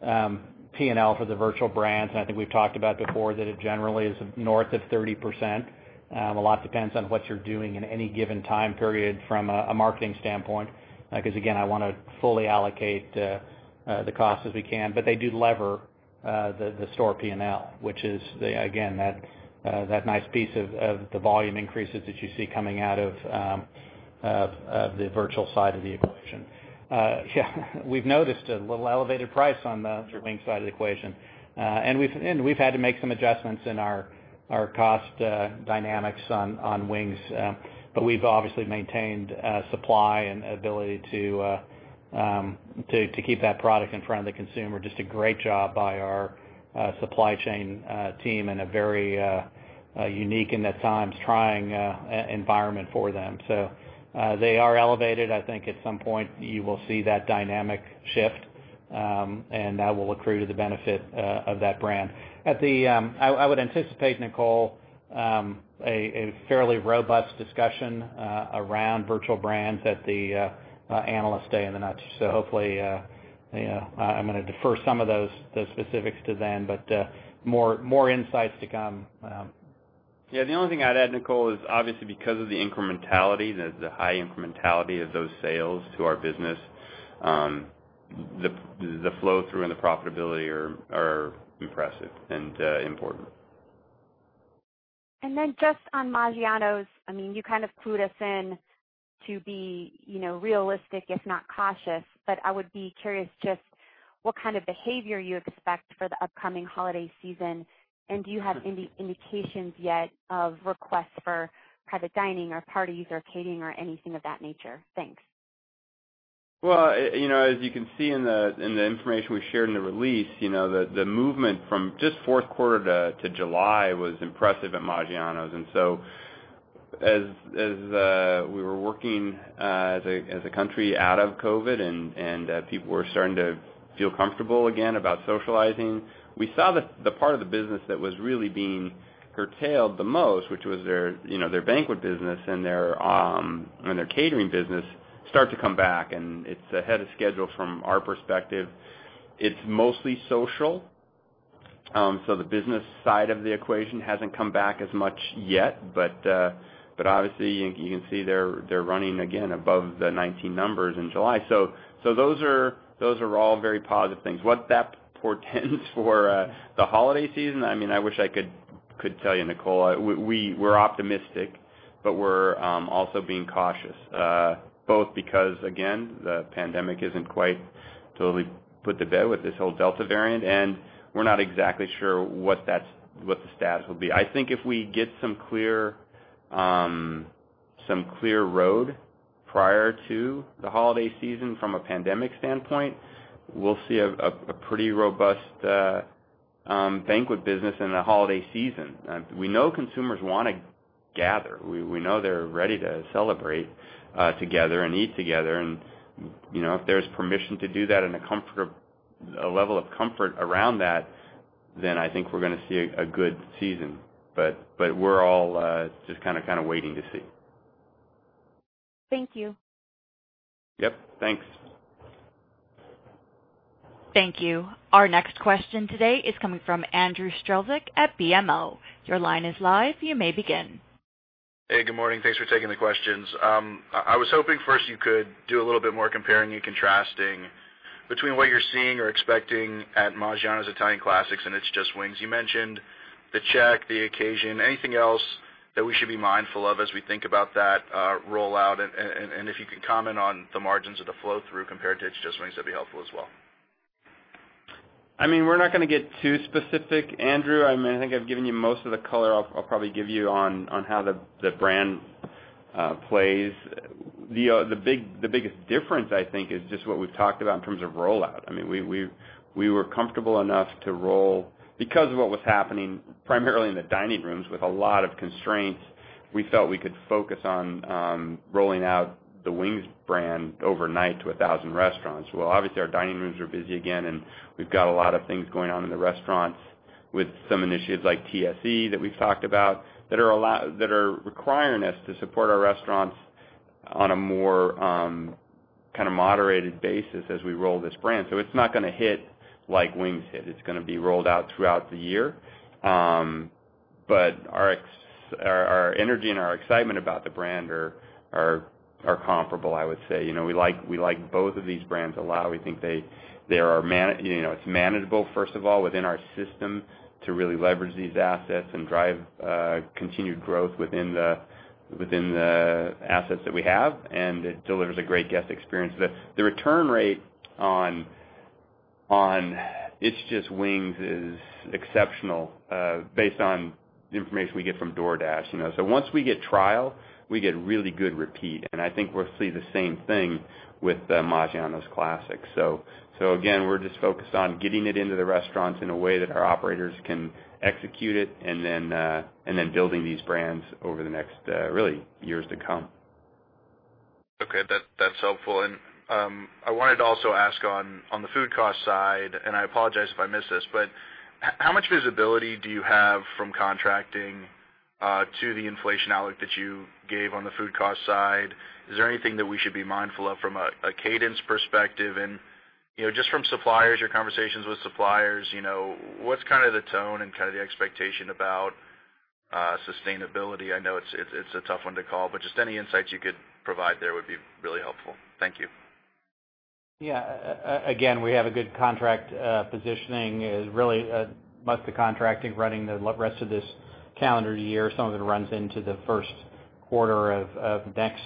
P&L for the virtual brands, and I think we've talked about before that it generally is north of 30%. A lot depends on what you're doing in any given time period from a marketing standpoint. I want to fully allocate the cost as we can, but they do lever the store P&L, which is again, that nice piece of the volume increases that you see coming out of the virtual side of the equation. We've noticed a little elevated price on the It's Just Wings side of the equation. We've had to make some adjustments in our cost dynamics on wings. We've obviously maintained supply and ability to keep that product in front of the consumer. Just a great job by our supply chain team in a very unique and, at times, trying environment for them. They are elevated. I think at some point you will see that dynamic shift, and that will accrue to the benefit of that brand. I would anticipate, Nicole, a fairly robust discussion around virtual brands at the Analyst Day in a nutshell. Hopefully, I'm going to defer some of those specifics to then, but more insights to come.
The only thing I'd add, Nicole, is obviously because of the incrementality, the high incrementality of those sales to our business, the flow-through and the profitability are impressive and important.
Just on Maggiano's, you kind of clued us in to be realistic, if not cautious, but I would be curious just what kind of behavior you expect for the upcoming holiday season, and do you have any indications yet of requests for private dining or parties or catering or anything of that nature? Thanks.
As you can see in the information we shared in the release, the movement from just fourth quarter to July was impressive at Maggiano's. As we were working as a country out of COVID, and people were starting to feel comfortable again about socializing, we saw the part of the business that was really being curtailed the most, which was their banquet business and their catering business, start to come back, and it's ahead of schedule from our perspective. It's mostly social. The business side of the equation hasn't come back as much yet. Obviously, you can see they're running again above the 2019 numbers in July. Those are all very positive things. What that portends for the holiday season, I wish I could tell you, Nicole. We're optimistic, but we're also being cautious, both because, again, the pandemic isn't quite totally put to bed with this whole Delta variant, and we're not exactly sure what the status will be. I think if we get some clear road prior to the holiday season from a pandemic standpoint, we'll see a pretty robust banquet business in the holiday season. We know consumers want to gather. We know they're ready to celebrate together and eat together, and if there's permission to do that and a level of comfort around that, then I think we're going to see a good season. We're all just kind of waiting to see.
Thank you.
Yep. Thanks.
Thank you. Our next question today is coming from Andrew Strelzik at BMO. Your line is live. You may begin.
Hey, good morning. Thanks for taking the questions. I was hoping first you could do a little bit more comparing and contrasting between what you're seeing or expecting at Maggiano's Italian Classics and It's Just Wings. You mentioned the check, the occasion. Anything else that we should be mindful of as we think about that rollout? If you could comment on the margins of the flow-through compared to It's Just Wings, that'd be helpful as well.
We're not going to get too specific, Andrew. I think I've given you most of the color I'll probably give you on how the brand plays. The biggest difference, I think, is just what we've talked about in terms of rollout. We were comfortable enough to roll because of what was happening primarily in the dining rooms with a lot of constraints. We felt we could focus on rolling out the Wings brand overnight to 1,000 restaurants. Well, obviously, our dining rooms are busy again, and we've got a lot of things going on in the restaurants with some initiatives like TSE that we've talked about that are requiring us to support our restaurants on a more kind of moderated basis as we roll this brand. So it's not going to hit like Wings hit. It's going to be rolled out throughout the year. Our energy and our excitement about the brand are comparable, I would say. We like both of these brands a lot. We think it's manageable, first of all, within our system to really leverage these assets and drive continued growth within the assets that we have, and it delivers a great guest experience. The return rate on It's Just Wings is exceptional based on the information we get from DoorDash. Once we get trial, we get really good repeat, and I think we'll see the same thing with Maggiano's Italian Classics. Again, we're just focused on getting it into the restaurants in a way that our operators can execute it, and then building these brands over the next really years to come.
Okay. That's helpful. I wanted to also ask on the food cost side, and I apologize if I missed this, but how much visibility do you have from contracting to the inflation outlook that you gave on the food cost side? Is there anything that we should be mindful of from a cadence perspective? Just from suppliers, your conversations with suppliers, what's kind of the tone and kind of the expectation about sustainability. I know it's a tough one to call, but just any insights you could provide there would be really helpful. Thank you.
Yeah. Again, we have a good contract positioning. Really, most of the contracting running the rest of this calendar year, some of it runs into the first quarter of next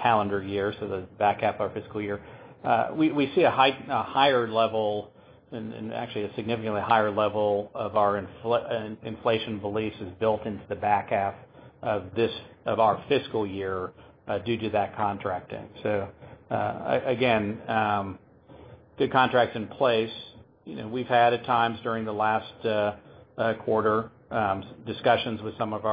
calendar year, so the back half of our fiscal year. We see a higher level, and actually a significantly higher level of our inflation beliefs is built into the back half of our fiscal year due to that contracting. Again, good contracts in place. We've had, at times during the last quarter, discussions with some of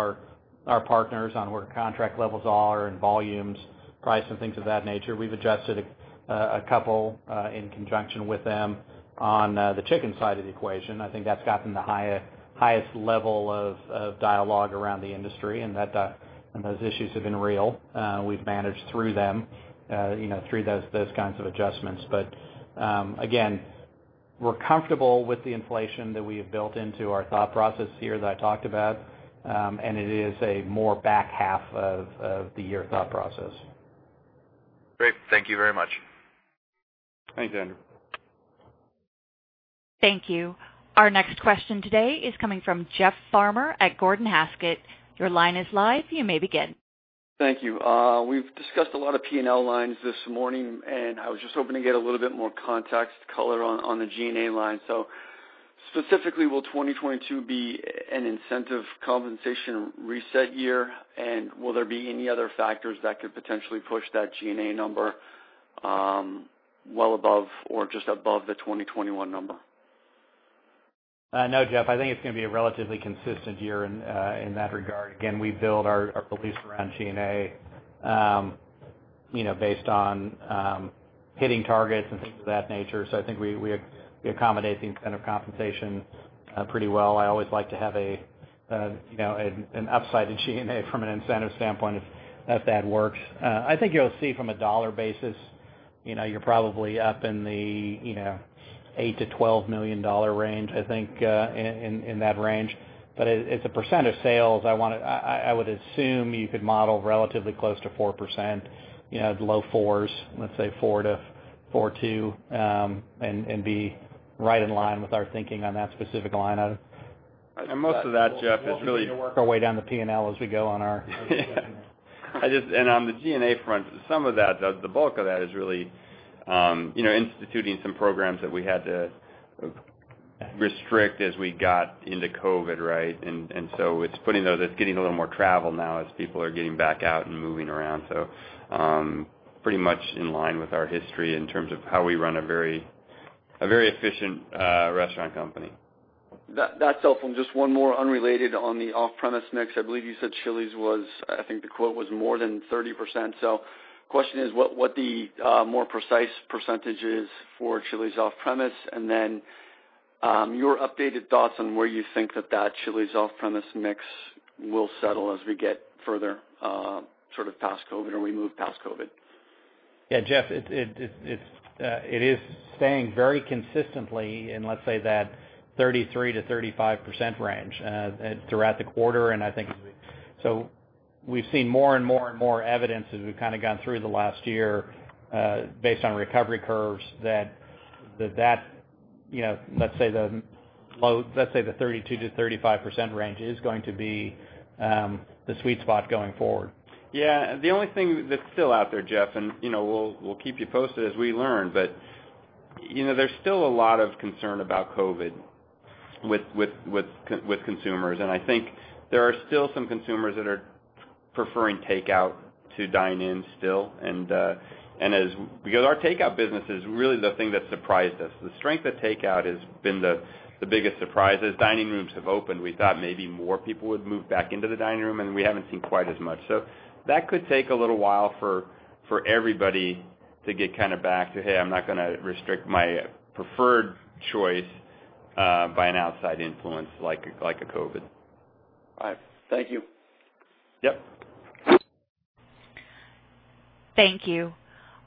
our partners on where contract levels are and volumes, price, and things of that nature. We've adjusted a couple in conjunction with them. On the chicken side of the equation, I think that's gotten the highest level of dialogue around the industry, and those issues have been real. We've managed through them, through those kinds of adjustments. Again, we're comfortable with the inflation that we have built into our thought process here that I talked about. It is a more back half of the year thought process.
Great. Thank you very much.
Thanks, Andrew.
Thank you. Our next question today is coming from Jeff Farmer at Gordon Haskett. Your line is live. You may begin.
Thank you. We've discussed a lot of P&L lines this morning, and I was just hoping to get a little bit more context color on the G&A line. Specifically, will 2022 be an incentive compensation reset year? Will there be any other factors that could potentially push that G&A number well above or just above the 2021 number?
No, Jeff. I think it's going to be a relatively consistent year in that regard. Again, we build our beliefs around G&A based on hitting targets and things of that nature. I think we accommodate the incentive compensation pretty well. I always like to have an upside to G&A from an incentive standpoint, if that works. I think you'll see from a dollar basis, you're probably up in the $8 million-$12 million range, I think, in that range. As a percent of sales, I would assume you could model relatively close to 4%, the low 4%s, let's say 4%-4.2%, and be right in line with our thinking on that specific line item.
Most of that, Jeff.
We'll continue to work our way down the P&L as we go on our.
On the G&A front, some of that, the bulk of that is really instituting some programs that we had to restrict as we got into COVID, right? It's getting a little more travel now as people are getting back out and moving around. Pretty much in line with our history in terms of how we run a very efficient restaurant company.
That's helpful. Just one more unrelated on the off-premise mix. I believe you said Chili's was, I think the quote was more than 30%. The question is what the more precise percentage is for Chili's off-premise, and then your updated thoughts on where you think that Chili's off-premise mix will settle as we get further sort of past COVID, or we move past COVID.
Yeah, Jeff, it is staying very consistently in, let's say, that 33%-35% range throughout the quarter. We've seen more and more evidence as we've kind of gone through the last year, based on recovery curves, that, let's say, the 32%-35% range is going to be the sweet spot going forward.
Yeah. The only thing that's still out there, Jeff, and we'll keep you posted as we learn, but there's still a lot of concern about COVID with consumers, and I think there are still some consumers that are preferring takeout to dine in still. As we go, our takeout business is really the thing that surprised us. The strength of takeout has been the biggest surprise. As dining rooms have opened, we thought maybe more people would move back into the dining room, and we haven't seen quite as much. That could take a little while for everybody to get back to, "Hey, I'm not going to restrict my preferred choice by an outside influence like a COVID.
All right. Thank you.
Yep.
Thank you.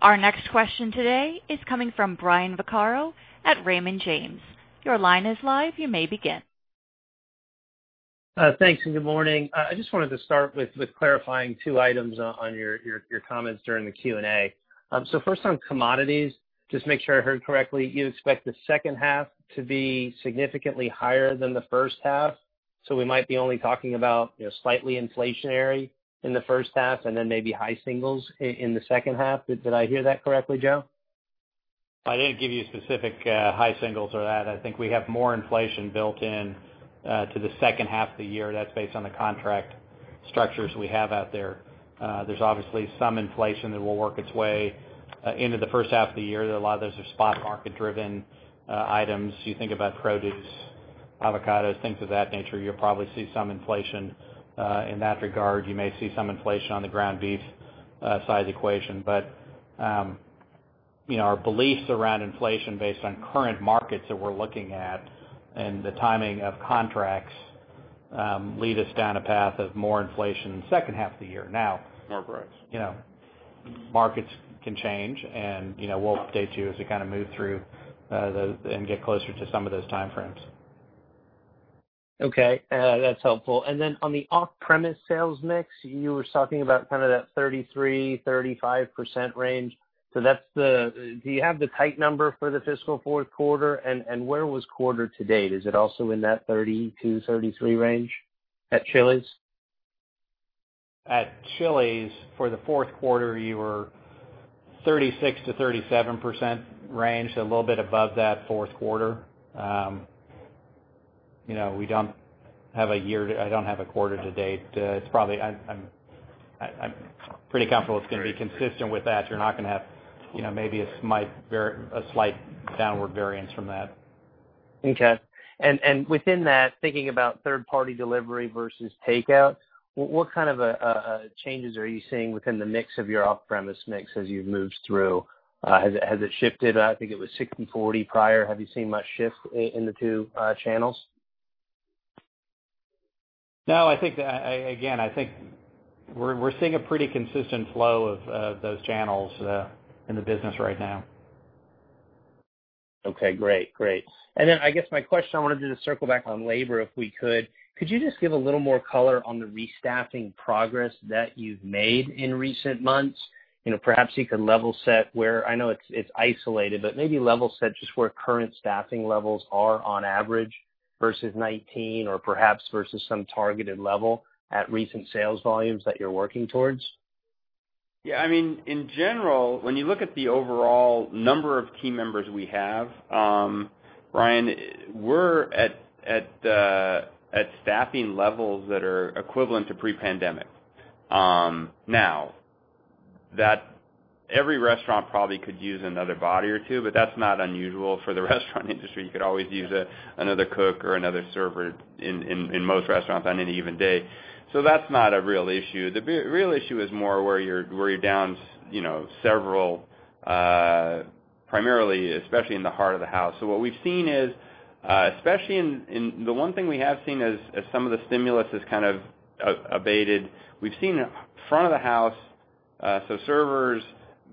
Our next question today is coming from Brian Vaccaro at Raymond James. Your line is live. You may begin.
Thanks, good morning. I just wanted to start with clarifying two items on your comments during the Q&A. First on commodities, just to make sure I heard correctly, you expect the second half to be significantly higher than the first half? We might be only talking about slightly inflationary in the first half and then maybe high singles in the second half. Did I hear that correctly, Joe?
I didn't give you specific high singles or that. I think we have more inflation built in to the second half of the year. That's based on the contract structures we have out there. There's obviously some inflation that will work its way into the first half of the year. A lot of those are spot market driven items. You think about produce, avocados, things of that nature. You'll probably see some inflation in that regard. You may see some inflation on the ground beef side of the equation. Our beliefs around inflation based on current markets that we're looking at and the timing of contracts lead us down a path of more inflation in the second half of the year.
More price.
Yeah.
Markets can change, and we'll update you as we kind of move through and get closer to some of those time frames.
Okay, that's helpful. On the off-premise sales mix, you were talking about that 33%-35% range. Do you have the tight number for the fiscal fourth quarter? Where was quarter to date? Is it also in that 32%-33% range at Chili's?
At Chili's, for the fourth quarter, you were 36%-37% range, a little bit above that fourth quarter. I don't have a quarter to date. I'm pretty confident it's going to be consistent with that. You're not going to have maybe a slight downward variance from that.
Okay. Within that, thinking about third-party delivery versus takeout, what kind of changes are you seeing within the mix of your off-premise mix as you've moved through? Has it shifted? I think it was 60/40 prior. Have you seen much shift in the two channels?
No. Again, I think we're seeing a pretty consistent flow of those channels in the business right now.
Okay, great. I guess my question, I wanted to circle back on labor, if we could. Could you just give a little more color on the restaffing progress that you've made in recent months? Perhaps you could level set where, I know it's isolated, but maybe level set just where current staffing levels are on average versus 2019 or perhaps versus some targeted level at recent sales volumes that you're working towards.
Yeah. In general, when you look at the overall number of team members we have, Brian, we're at staffing levels that are equivalent to pre-pandemic. Every restaurant probably could use another body or two, but that's not unusual for the restaurant industry. You could always use another cook or another server in most restaurants on any given day. That's not a real issue. The real issue is more where you're down several, especially in the heart of the house. The one thing we have seen as some of the stimulus has kind of abated, we've seen front of the house, so servers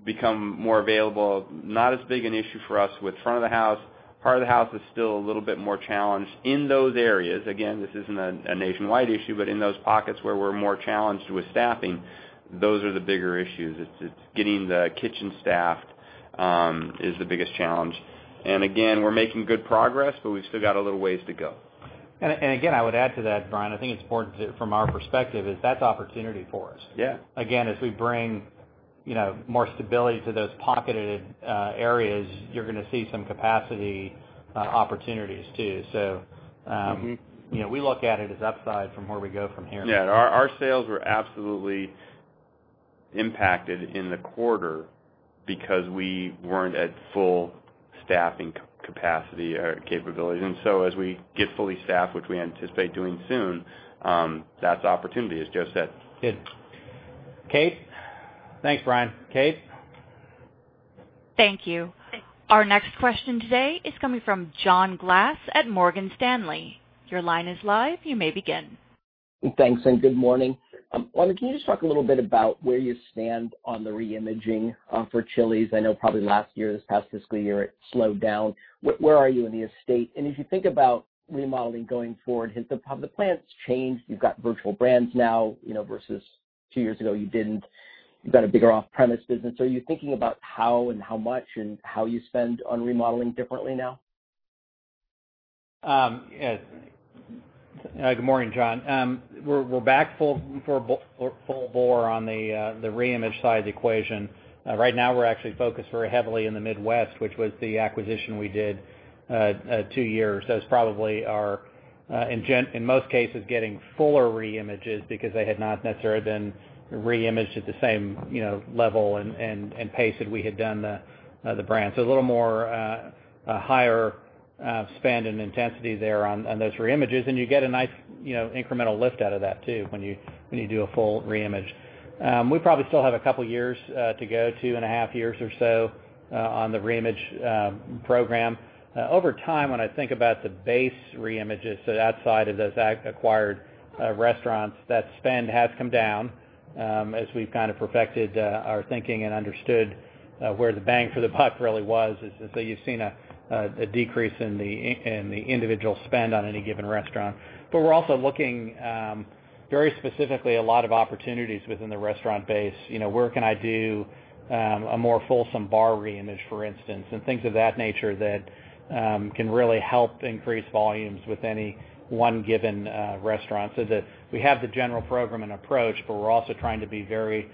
become more available, not as big an issue for us with front of the house. Heart of the house is still a little bit more challenged in those areas. This isn't a nationwide issue, but in those pockets where we're more challenged with staffing, those are the bigger issues. It's getting the kitchen staffed is the biggest challenge. We're making good progress, but we've still got a little ways to go.
Again, I would add to that, Brian, I think it's important from our perspective is that's opportunity for us.
Yeah.
Again, as we bring more stability to those pocketed areas, you're going to see some capacity opportunities, too. we look at it as upside from where we go from here.
Yeah. Our sales were absolutely impacted in the quarter because we weren't at full staffing capacity or capabilities. As we get fully staffed, which we anticipate doing soon, that's opportunity, as Joe said.
Good. Kate? Thanks, Brian. Kate?
Thank you. Our next question today is coming from John Glass at Morgan Stanley. Your line is live. You may begin.
Thanks, and good morning. Wyman, can you just talk a little bit about where you stand on the re-imaging for Chili's? I know probably last year, this past fiscal year, it slowed down. Where are you in the estate? As you think about remodeling going forward, have the plans changed? You've got virtual brands now, versus two years ago, you didn't. You've got a bigger off-premise business. Are you thinking about how and how much and how you spend on remodeling differently now?
Good morning, John. We're back full bore on the re-image side of the equation. Right now, we're actually focused very heavily in the Midwest, which was the acquisition we did two years. Those probably are, in most cases, getting fuller re-images because they had not necessarily been re-imaged at the same level and pace that we had done the brand. A little more higher spend and intensity there on those re-images. You get a nice incremental lift out of that, too, when you do a full re-image. We probably still have a couple years to go, 2.5 years or so, on the re-image program. Over time, when I think about the base re-images, so outside of those acquired restaurants, that spend has come down as we've kind of perfected our thinking and understood where the bang for the buck really was. You've seen a decrease in the individual spend on any given restaurant. We're also looking very specifically a lot of opportunities within the restaurant base. Where can I do a more fulsome bar re-image, for instance, and things of that nature that can really help increase volumes with any one given restaurant, so that we have the general program and approach, but we're also trying to be very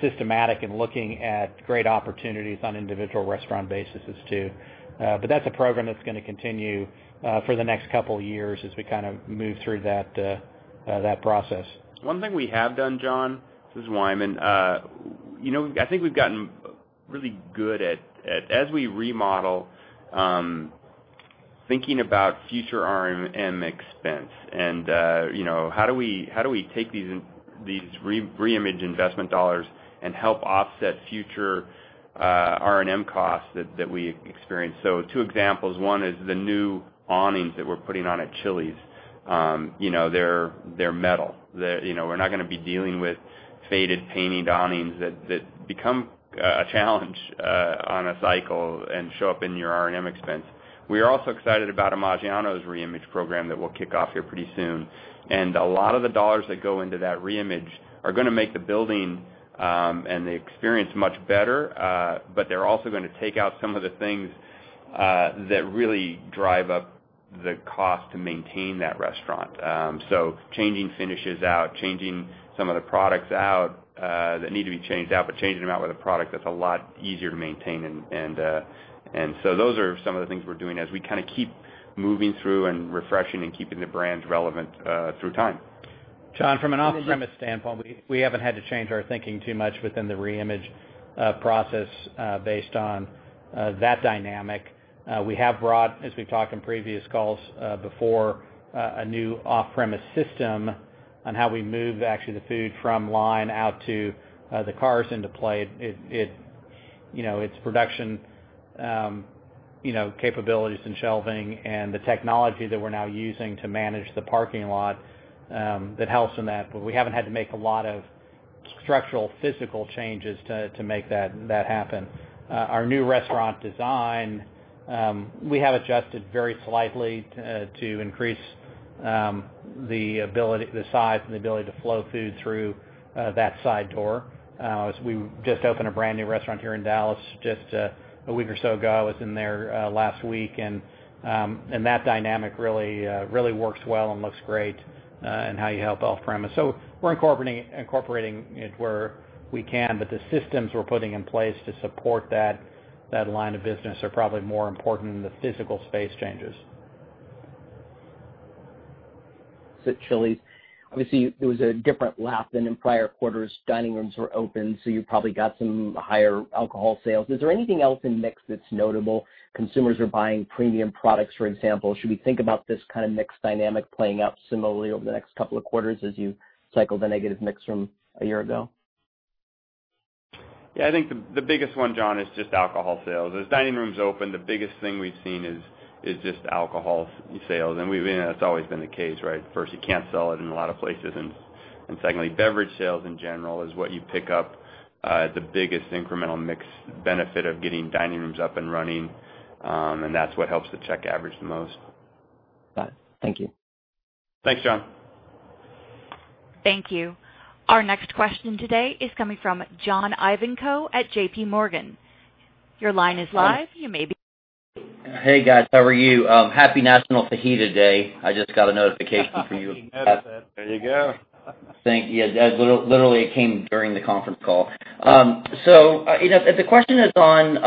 systematic in looking at great opportunities on individual restaurant bases, too. That's a program that's going to continue for the next couple of years as we kind of move through that process.
One thing we have done, John, this is Wyman. I think we've gotten really good at, as we remodel, thinking about future R&M expense, and how do we take these re-image investment dollars and help offset future R&M costs that we experience? Two examples. One is the new awnings that we're putting on at Chili's. They're metal. We're not going to be dealing with faded painted awnings that become a challenge on a cycle and show up in your R&M expense. We are also excited about Maggiano's re-image program that we'll kick off here pretty soon. A lot of the dollars that go into that re-image are going to make the building and the experience much better. They're also going to take out some of the things that really drive up the cost to maintain that restaurant. Changing finishes out, changing some of the products out that need to be changed out, but changing them out with a product that's a lot easier to maintain. Those are some of the things we're doing as we keep moving through and refreshing and keeping the brands relevant through time.
John, from an off-premise standpoint, we haven't had to change our thinking too much within the re-image process based on that dynamic. We have brought, as we've talked in previous calls before, a new off-premise system on how we move actually the food from line out to the cars into play. Its production capabilities and shelving and the technology that we're now using to manage the parking lot that helps in that. We haven't had to make a lot of structural, physical changes to make that happen. Our new restaurant design we have adjusted very slightly to increase the size and the ability to flow food through that side door. As we just opened a brand new restaurant here in Dallas just a week or so ago. I was in there last week, and that dynamic really works well and looks great in how you help off-premise. We're incorporating it where we can, but the systems we're putting in place to support that line of business are probably more important than the physical space changes.
Chili's, obviously, there was a different lap than in prior quarters. Dining rooms were open, so you probably got some higher alcohol sales. Is there anything else in mix that's notable? Consumers are buying premium products, for example. Should we think about this kind of mix dynamic playing out similarly over the next couple of quarters as you cycle the negative mix from a year ago?
Yeah, I think the biggest one, John, is just alcohol sales. As dining rooms open, the biggest thing we've seen is just alcohol sales. That's always been the case, right? First, you can't sell it in a lot of places. Secondly, beverage sales, in general, is what you pick up the biggest incremental mix benefit of getting dining rooms up and running. That's what helps the check average the most.
Got it. Thank you.
Thanks, John.
Thank you. Our next question today is coming from John Ivankoe at JPMorgan. Your line is live. You may begin.
Hey, guys. How are you? Happy National Fajita Day. I just got a notification from you.
Happy National Fajita Day. There you go.
Thank you. Literally, it came during the conference call. The question is on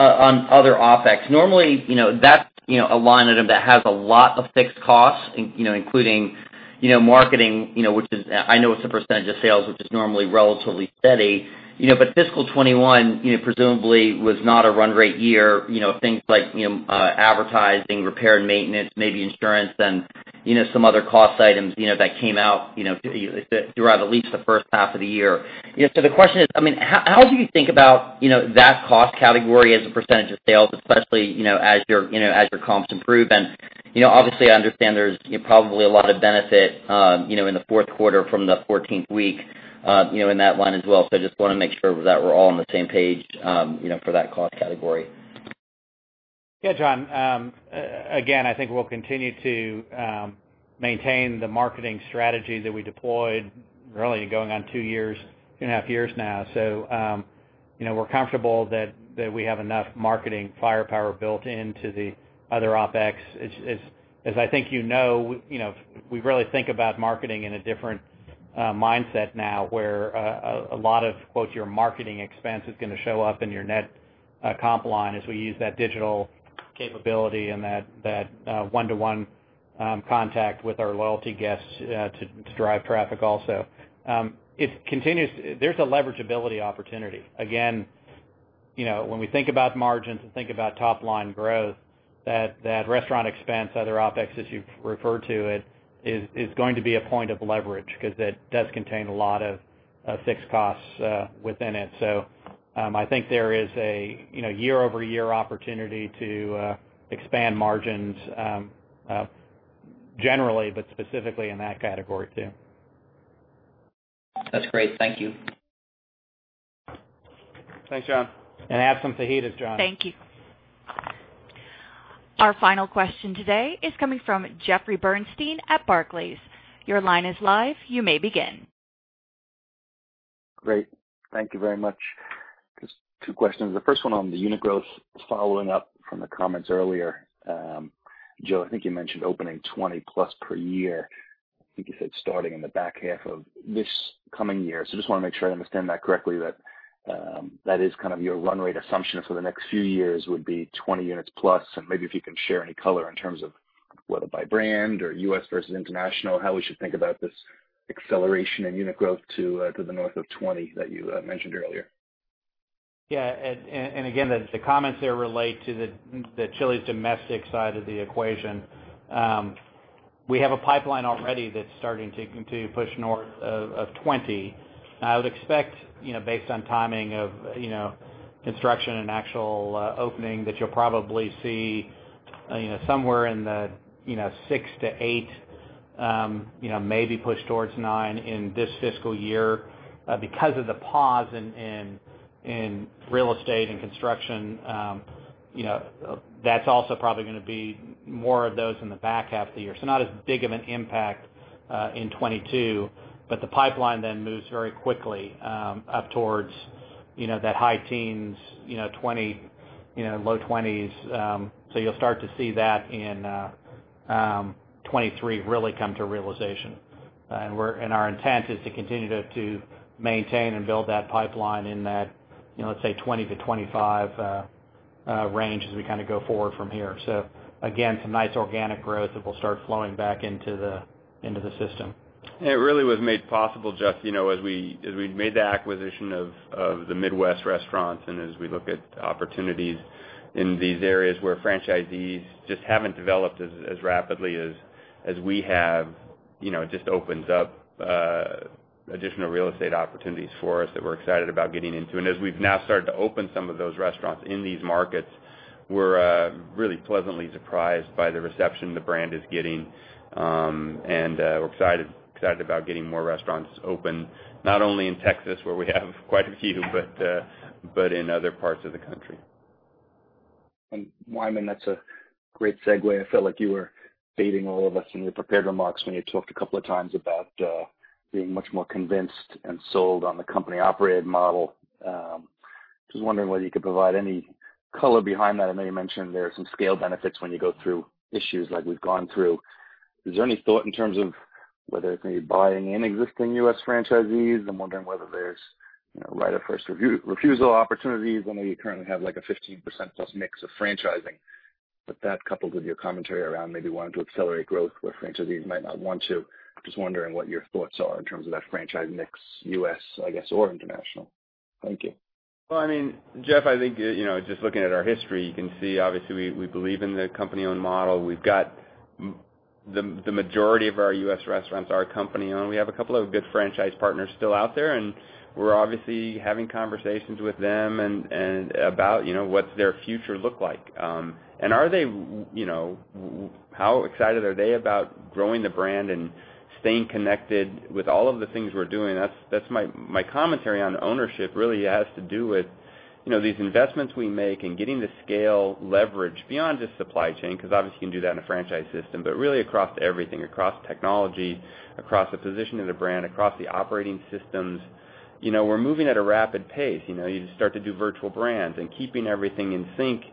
other OpEx. Normally, that's a line item that has a lot of fixed costs including marketing, which is, I know it's a percent of sales, which is normally relatively steady. Fiscal 2021 presumably was not a run rate year, things like advertising, repair and maintenance, maybe insurance, and some other cost items that came out throughout, at least the first half of the year. The question is, how do you think about that cost category as a percent of sales, especially as your comps improve? Obviously, I understand there's probably a lot of benefit in the fourth quarter from the 14th week in that line as well. I just want to make sure that we're all on the same page for that cost category.
John. I think we'll continue to maintain the marketing strategy that we deployed really going on 2.5 years now. We're comfortable that we have enough marketing firepower built into the other OpEx. As I think you know, we really think about marketing in a different mindset now where a lot of both your marketing expense is going to show up in your net comp line as we use that digital capability and that one-to-one contact with our loyalty guests to drive traffic also. There's a leveragability opportunity. When we think about margins and think about top line growth, that restaurant expense, other OpEx as you've referred to it, is going to be a point of leverage because it does contain a lot of fixed costs within it. I think there is a year-over-year opportunity to expand margins generally, but specifically in that category too.
That's great. Thank you.
Thanks, John.
Have some fajitas, John.
Thank you. Our final question today is coming from Jeffrey Bernstein at Barclays. Your line is live. You may begin.
Great. Thank you very much. Just two questions. The first one on the unit growth, following up from the comments earlier. Joe, I think you mentioned opening 20+ per year. I think you said starting in the back half of this coming year. Just want to make sure I understand that correctly, that is your run rate assumption for the next few years would be 20 units+, and maybe if you can share any color in terms of whether by brand or U.S. versus international, how we should think about this acceleration in unit growth to the north of 20 that you mentioned earlier.
Yeah. Again, the comments there relate to the Chili's domestic side of the equation. We have a pipeline already that's starting to continue to push north of 20. I would expect based on timing of construction and actual opening that you'll probably see somewhere in the six-eight, maybe push towards nine in this fiscal year because of the pause in real estate and construction. That's also probably going to be more of those in the back half of the year. Not as big of an impact in 2022, the pipeline then moves very quickly up towards that high teens, 20, low 20s. You'll start to see that in 2023 really come to realization. Our intent is to continue to maintain and build that pipeline in that, let's say 20-25 range as we go forward from here. Again, some nice organic growth that will start flowing back into the system.
It really was made possible, Jeff, as we made the acquisition of the Midwest restaurants, as we look at opportunities in these areas where franchisees just haven't developed as rapidly as we have. It just opens up additional real estate opportunities for us that we're excited about getting into. As we've now started to open some of those restaurants in these markets, we're really pleasantly surprised by the reception the brand is getting. We're excited about getting more restaurants open, not only in Texas where we have quite a few, but in other parts of the country.
Wyman, that's a great segue. I felt like you were baiting all of us in your prepared remarks when you talked a couple of times about being much more convinced and sold on the company-operated model. Just wondering whether you could provide any color behind that. I know you mentioned there are some scale benefits when you go through issues like we've gone through. Is there any thought in terms of whether it's maybe buying in existing U.S. franchisees? I'm wondering whether there's right of first refusal opportunities. I know you currently have a 15%+ mix of franchising, but that coupled with your commentary around maybe wanting to accelerate growth where franchisees might not want to, just wondering what your thoughts are in terms of that franchise mix, U.S., I guess, or international. Thank you.
Well, Jeff, I think, just looking at our history, you can see obviously we believe in the company-owned model. We've got the majority of our U.S. restaurants are company-owned. We have a couple of good franchise partners still out there, we're obviously having conversations with them about what's their future look like? How excited are they about growing the brand and staying connected with all of the things we're doing? That's my commentary on ownership, really has to do with these investments we make and getting the scale leverage beyond just supply chain, because obviously you can do that in a franchise system, but really across everything, across technology, across the position of the brand, across the operating systems. We're moving at a rapid pace. You start to do virtual brands, and keeping everything in sync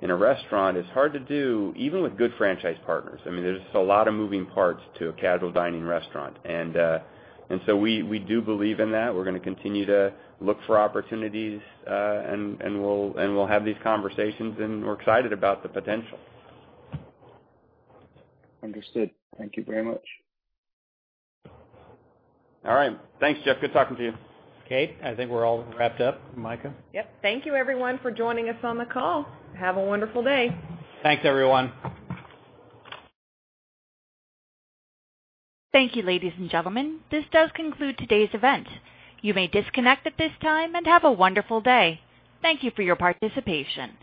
in a restaurant is hard to do, even with good franchise partners. There's just a lot of moving parts to a casual dining restaurant. We do believe in that. We're going to continue to look for opportunities, and we'll have these conversations, and we're excited about the potential.
Understood. Thank you very much.
All right. Thanks, Jeff. Good talking to you.
Kate, I think we're all wrapped up. Mika?
Yep. Thank you everyone for joining us on the call. Have a wonderful day.
Thanks, everyone.
Thank you, ladies and gentlemen. This does conclude today's event. You may disconnect at this time, and have a wonderful day. Thank you for your participation.